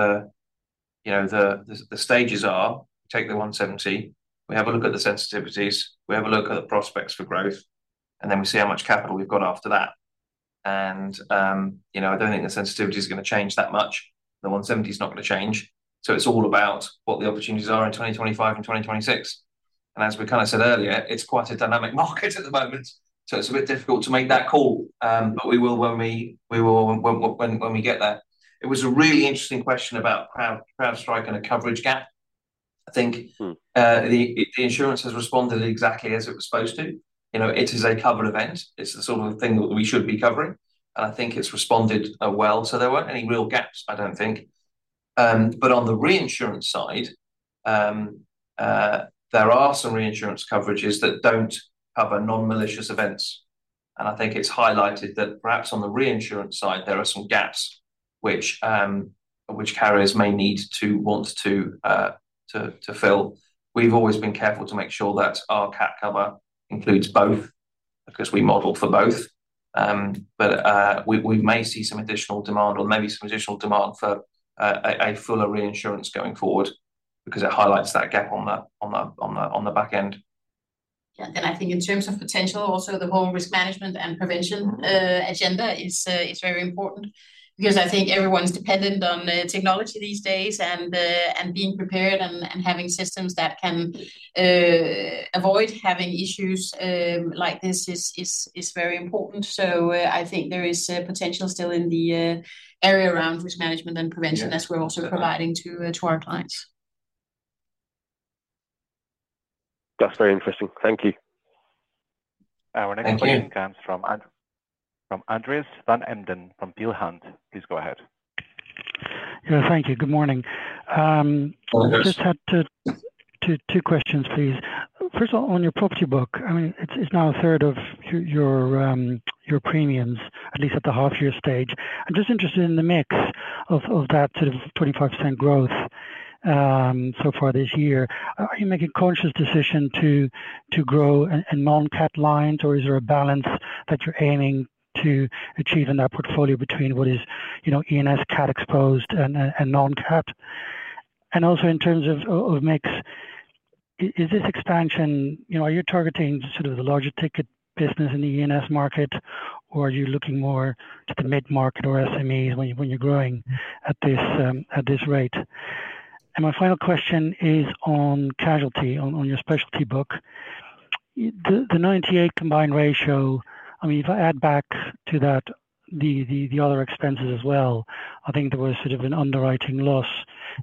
the stages are, take the 170, we have a look at the sensitivities, we have a look at the prospects for growth, and then we see how much capital we've got after that. And, you know, I don't think the sensitivity is gonna change that much. The 170's not gonna change. So it's all about what the opportunities are in 2025 and 2026. And as we kind of said earlier, it's quite a dynamic market at the moment, so it's a bit difficult to make that call. But we will when we get there. It was a really interesting question about CrowdStrike and a coverage gap. Mm. I think the insurance has responded exactly as it was supposed to. You know, it is a covered event. It's the sort of thing that we should be covering, and I think it's responded well, so there weren't any real gaps, I don't think. But on the reinsurance side, there are some reinsurance coverages that don't cover non-malicious events. And I think it's highlighted that perhaps on the reinsurance side, there are some gaps which carriers may need to want to fill. We've always been careful to make sure that our cat cover includes both because we modeled for both. But we may see some additional demand or maybe some additional demand for a fuller reinsurance going forward, because it highlights that gap on the back end. Yeah, and I think in terms of potential, also the whole risk management and prevention agenda is very important. Because I think everyone's dependent on technology these days, and being prepared and having systems that can avoid having issues like this is very important. So, I think there is potential still in the area around risk management and prevention- Yeah. - as we're also providing to our clients. That's very interesting. Thank you. Our next question- Thank you. comes from Andreas van Embden, from Peel Hunt. Please go ahead. Yeah, thank you. Good morning. Hello, Andreas. I just had to, two, two questions, please. First of all, on your property book, I mean, it's, it's now a third of your, your, your premiums, at least at the half year stage. I'm just interested in the mix of, of that sort of 25% growth, so far this year. Are you making a conscious decision to, to grow in, in non-cat lines, or is there a balance that you're aiming to achieve in that portfolio between what is, you know, E&S cat exposed and, and, non-cat? And also, in terms of, of, of mix, is this expansion... You know, are you targeting sort of the larger ticket business in the E&S market, or are you looking more to the mid-market or SMEs when you're, when you're growing at this, at this rate? My final question is on casualty, on your specialty book. The 98 combined ratio, I mean, if I add back to that, the other expenses as well, I think there was sort of an underwriting loss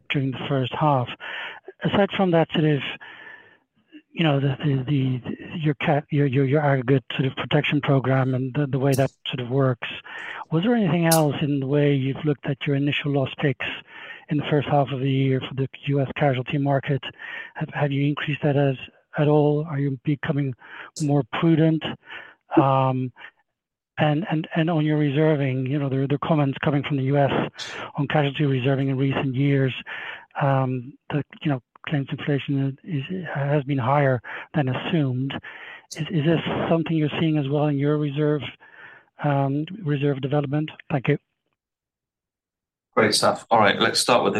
during the first half. Aside from that sort of, you know, your cat, your aggregate sort of protection program and the way that sort of works, was there anything else in the way you've looked at your initial loss takes in the first half of the year for the U.S. casualty market? Have you increased that at all? Are you becoming more prudent? And on your reserving, you know, the comments coming from the U.S. on casualty reserving in recent years, you know, claims inflation is, has been higher than assumed. Is, is this something you're seeing as well in your reserve, reserve development? Thank you. Great stuff. All right, let's start with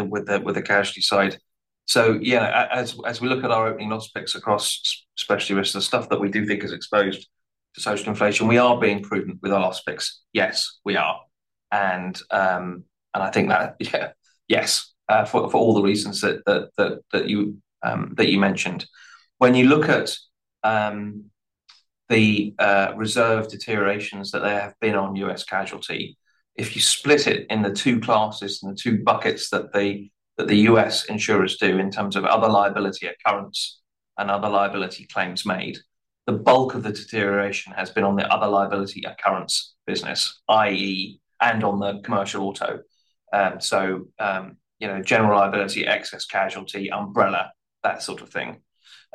the casualty side. So yeah, as we look at our opening loss picks across specialty risks, the stuff that we do think is exposed to social inflation, we are being prudent with our loss picks. Yes, we are. And I think that, yeah, yes, for all the reasons that you mentioned. When you look at the reserve deteriorations that there have been on U.S. casualty, if you split it in the two classes and the two buckets that the U.S. insurers do in terms of other liability occurrence and other liability claims made, the bulk of the deterioration has been on the other liability occurrence business, i.e., and on the commercial auto. So, you know, general liability, excess casualty, umbrella, that sort of thing.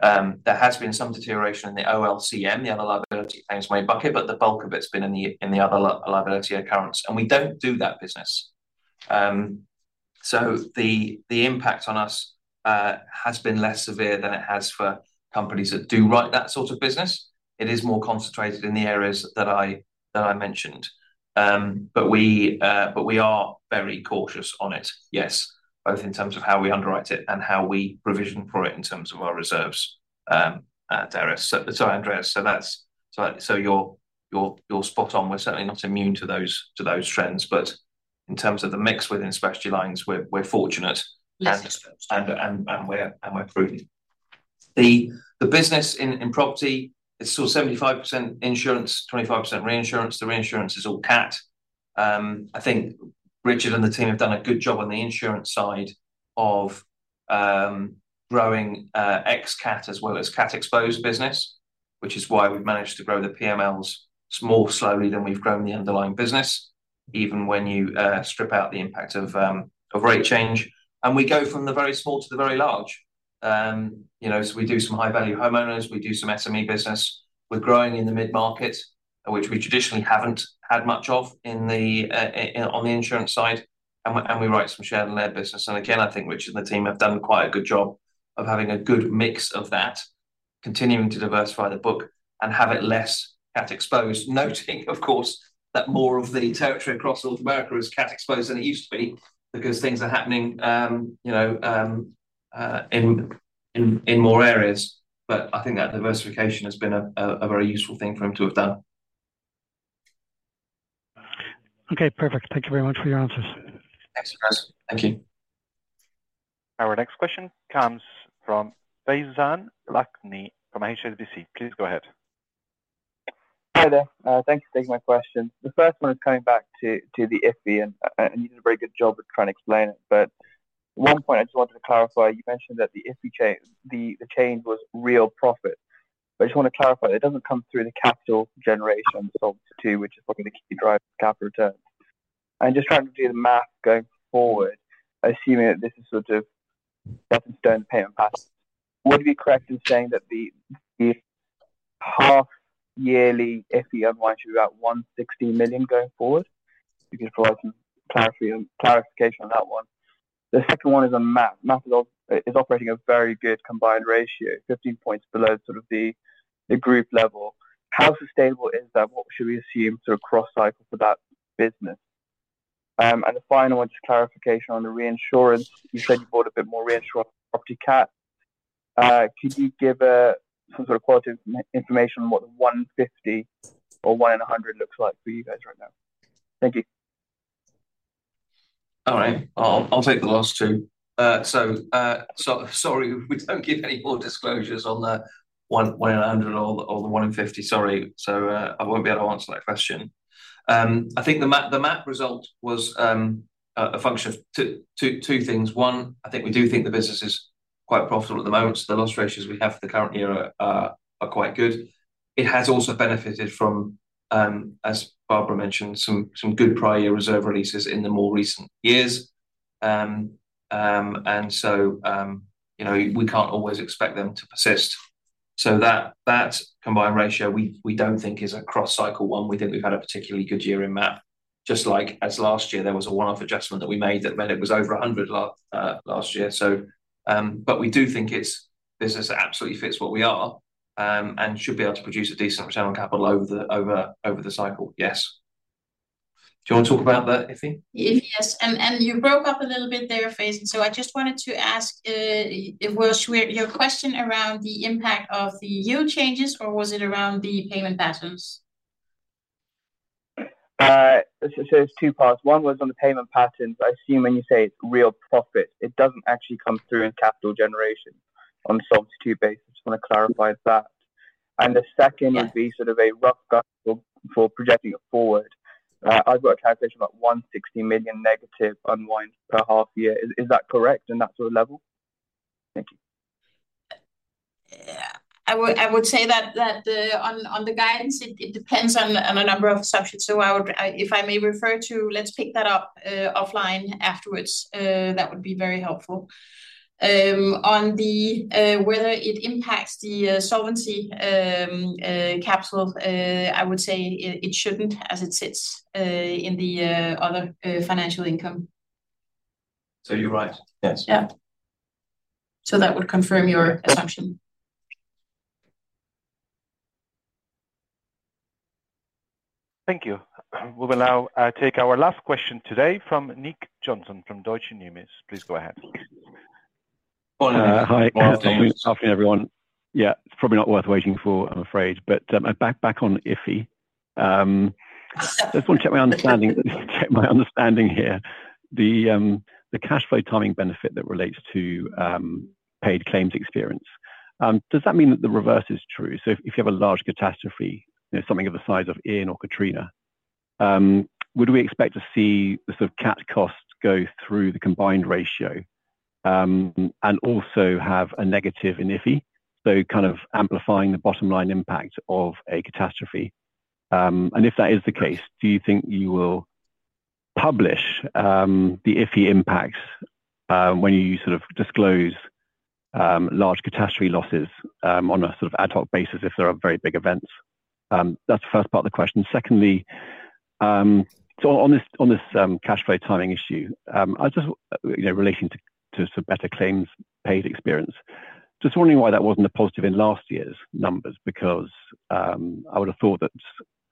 There has been some deterioration in the OLCM, the other liability claims made bucket, but the bulk of it's been in the other liability occurrence, and we don't do that business. So the impact on us has been less severe than it has for companies that do write that sort of business. It is more concentrated in the areas that I mentioned. But we are very cautious on it, yes, both in terms of how we underwrite it and how we provision for it in terms of our reserves, Andreas. So, Andreas, that's so you're spot on. We're certainly not immune to those trends, but in terms of the mix within specialty lines, we're fortunate- Yes. We're prudent. The business in property is still 75% insurance, 25% reinsurance. The reinsurance is all cat. I think Richard and the team have done a good job on the insurance side of growing ex cat as well as cat-exposed business, which is why we've managed to grow the PMLs more slowly than we've grown the underlying business, even when you strip out the impact of rate change. And we go from the very small to the very large. You know, so we do some high-value homeowners, we do some SME business. We're growing in the mid-market, which we traditionally haven't had much of in the insurance side, and we write some shared and led business. And again, I think Richard and the team have done quite a good job of having a good mix of that, continuing to diversify the book and have it less cat exposed. Noting, of course, that more of the territory across North America is cat exposed than it used to be, because things are happening, you know, in more areas. But I think that diversification has been a very useful thing for him to have done. Okay, perfect. Thank you very much for your answers. Thanks, Andreas. Thank you. Our next question comes from Faizan Lakhani from HSBC. Please go ahead. Hi there. Thank you for taking my question. The first one is coming back to the IFI, and you did a very good job of trying to explain it. But one point I just wanted to clarify, you mentioned that the IFI, the change was real profit. But I just want to clarify, it doesn't come through the capital generation Solvency II, which is what's going to keep you driving capital returns. I'm just trying to do the math going forward, assuming that this is sort of cut and stone payment passes. Would it be correct in saying that the half-yearly IFI on Y should be about $160 million going forward? Just looking for some clarity and clarification on that one. ... The second one is a MAP. MAP is operating a very good combined ratio, 15 points below sort of the group level. How sustainable is that? What should we assume sort of cross-cycle for that business? And the final one, just clarification on the reinsurance. You said you bought a bit more reinsurance property cat. Could you give some sort of qualitative information on what the 150 or 1 in 100 looks like for you guys right now? Thank you. All right. I'll, I'll take the last two. So sorry, we don't give any more disclosures on the 1 in 100 or the 1 in 50. Sorry, so I won't be able to answer that question. I think the MAP, the MAP result was a function of 2 things. 1, I think we do think the business is quite profitable at the moment, so the loss ratios we have for the current year are quite good. It has also benefited from, as Barbara mentioned, some good prior year reserve releases in the more recent years. And so, you know, we can't always expect them to persist. So that combined ratio, we don't think is a cross-cycle one. We think we've had a particularly good year in MAP, just like as last year there was a one-off adjustment that we made that meant it was over 100 last year. So, but we do think it's business that absolutely fits what we are, and should be able to produce a decent return on capital over the cycle. Yes. Do you want to talk about the IFI? Yes, and you broke up a little bit there, Faizan, so I just wanted to ask, was your question around the impact of the yield changes or was it around the payment patterns? So it's two parts. One was on the payment patterns. I assume when you say real profit, it doesn't actually come through in capital generation on a solvency basis. Just want to clarify that. And the second- Yes... would be sort of a rough guide for projecting it forward. I've got a calculation about $160 million negative unwind per half year. Is that correct in that sort of level? Thank you. I would say that on the guidance, it depends on a number of assumptions. So I would. If I may refer to, let's pick that up offline afterwards. That would be very helpful. On whether it impacts the solvency capital, I would say it shouldn't, as it sits in the other financial income. So you're right. Yes. Yeah. So that would confirm your assumption. Thank you. We will now take our last question today from Nick Johnson from Deutsche Numis. Please go ahead. Morning, Nick. Uh, hi. Morning. Afternoon, everyone. Yeah, it's probably not worth waiting for, I'm afraid, but back on IFI. Just want to check my understanding here. The cash flow timing benefit that relates to paid claims experience, does that mean that the reverse is true? So if you have a large catastrophe, you know, something of the size of Ian or Katrina, would we expect to see the sort of cat costs go through the combined ratio, and also have a negative in IFI, so kind of amplifying the bottom line impact of a catastrophe? And if that is the case, do you think you will publish the IFI impacts when you sort of disclose large catastrophe losses on a sort of ad hoc basis if there are very big events? That's the first part of the question. Secondly, so on this cash flow timing issue, I just, you know, relating to sort of better claims paid experience, just wondering why that wasn't a positive in last year's numbers, because I would have thought that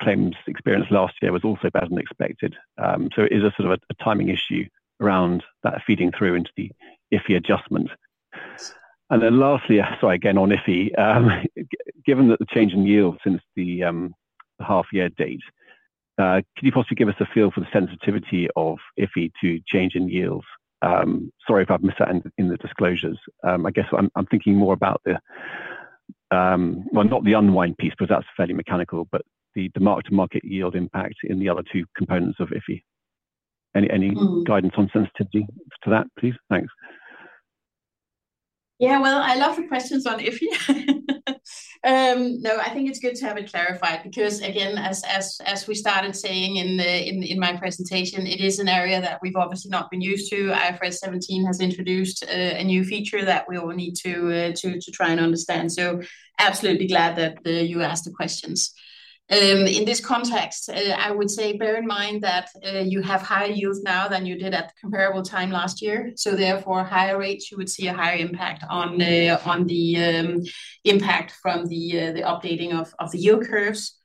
claims experience last year was also better than expected. So it is a sort of a timing issue around that feeding through into the IFI adjustment. And then lastly, sorry, again, on IFI. Given that the change in yield since the half year date, can you possibly give us a feel for the sensitivity of IFI to change in yields? Sorry if I've missed that in the disclosures. I guess I'm thinking more about the, well, not the unwind piece, because that's fairly mechanical, but the mark-to-market yield impact in the other two components of IFI. Any, any- Mm... guidance on sensitivity to that, please? Thanks. Yeah, well, I love the questions on IFI. No, I think it's good to have it clarified because, again, as we started saying in the my presentation, it is an area that we've obviously not been used to. IFRS 17 has introduced a new feature that we all need to try and understand, so absolutely glad that you asked the questions. In this context, I would say bear in mind that you have higher yields now than you did at the comparable time last year, so therefore, higher rates, you would see a higher impact on the impact from the updating of the yield curves.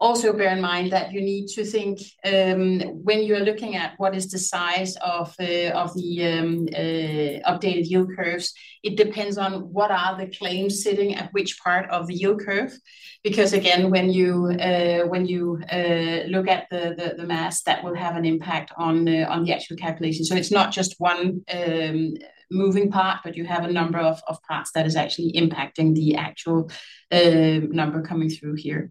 Also bear in mind that you need to think, when you're looking at what is the size of, of the, updated yield curves, it depends on what are the claims sitting at which part of the yield curve. Because again, when you, when you, look at the, the, the mass, that will have an impact on the, on the actual calculation. So it's not just one, moving part, but you have a number of, of parts that is actually impacting the actual, number coming through here.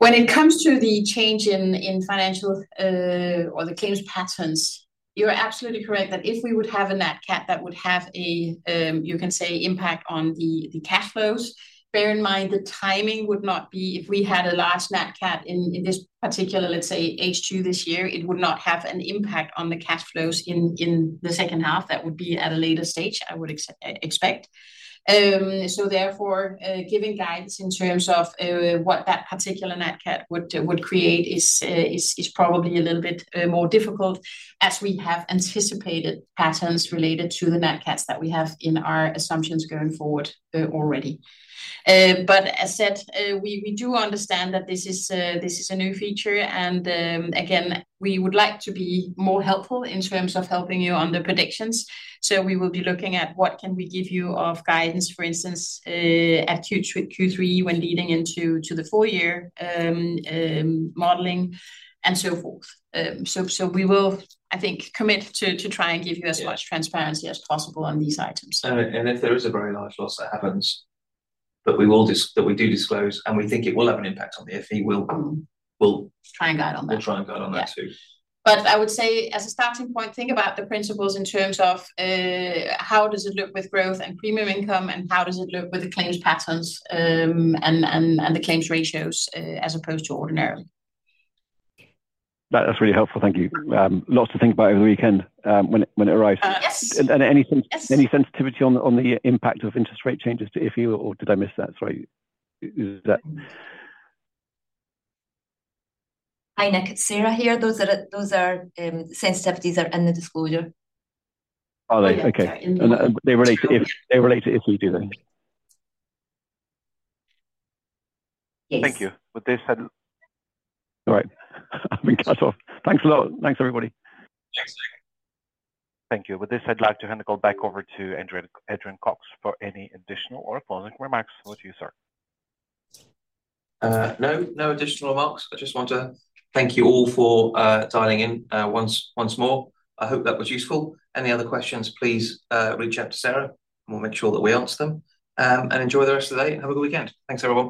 When it comes to the change in, in financial, or the claims patterns... You're absolutely correct, that if we would have a nat cat, that would have a, you can say, impact on the, the cash flows. Bear in mind, the timing would not be, if we had a large nat cat in this particular, let's say, H2 this year, it would not have an impact on the cash flows in the second half. That would be at a later stage, I would expect. So therefore, giving guidance in terms of what that particular nat cat would create is probably a little bit more difficult, as we have anticipated patterns related to the nat cats that we have in our assumptions going forward, already. But as said, we do understand that this is a new feature and, again, we would like to be more helpful in terms of helping you on the predictions, so we will be looking at what can we give you of guidance, for instance, at Q3 when leading into the full year, modeling, and so forth. So we will, I think, commit to try and give you as much transparency as possible on these items. And if there is a very large loss that happens, but we will disclose that we do disclose, and we think it will have an impact on the FE, we'll Try and guide on that. We'll try and guide on that, too. Yeah. But I would say, as a starting point, think about the principles in terms of how does it look with growth and premium income, and how does it look with the claims patterns, and the claims ratios, as opposed to ordinary? That's really helpful, thank you. Lots to think about over the weekend, when it arrives. Yes. And any sen- Yes... any sensitivity on the impact of interest rate changes to FE, or did I miss that? Sorry. Is that- Hi, Nick. Sarah here. Those sensitivities are in the disclosure. Are they? Yeah. Okay. In the- They relate to if we do then? Yes. Thank you. With this, All right. I've been cut off. Thanks a lot. Thanks, everybody. Thank you. With this, I'd like to hand the call back over to Andrew, Adrian Cox for any additional or closing remarks. Over to you, sir. No, no additional remarks. I just want to thank you all for dialing in once more. I hope that was useful. Any other questions, please reach out to Sarah, and we'll make sure that we answer them. Enjoy the rest of the day, and have a good weekend. Thanks, everyone.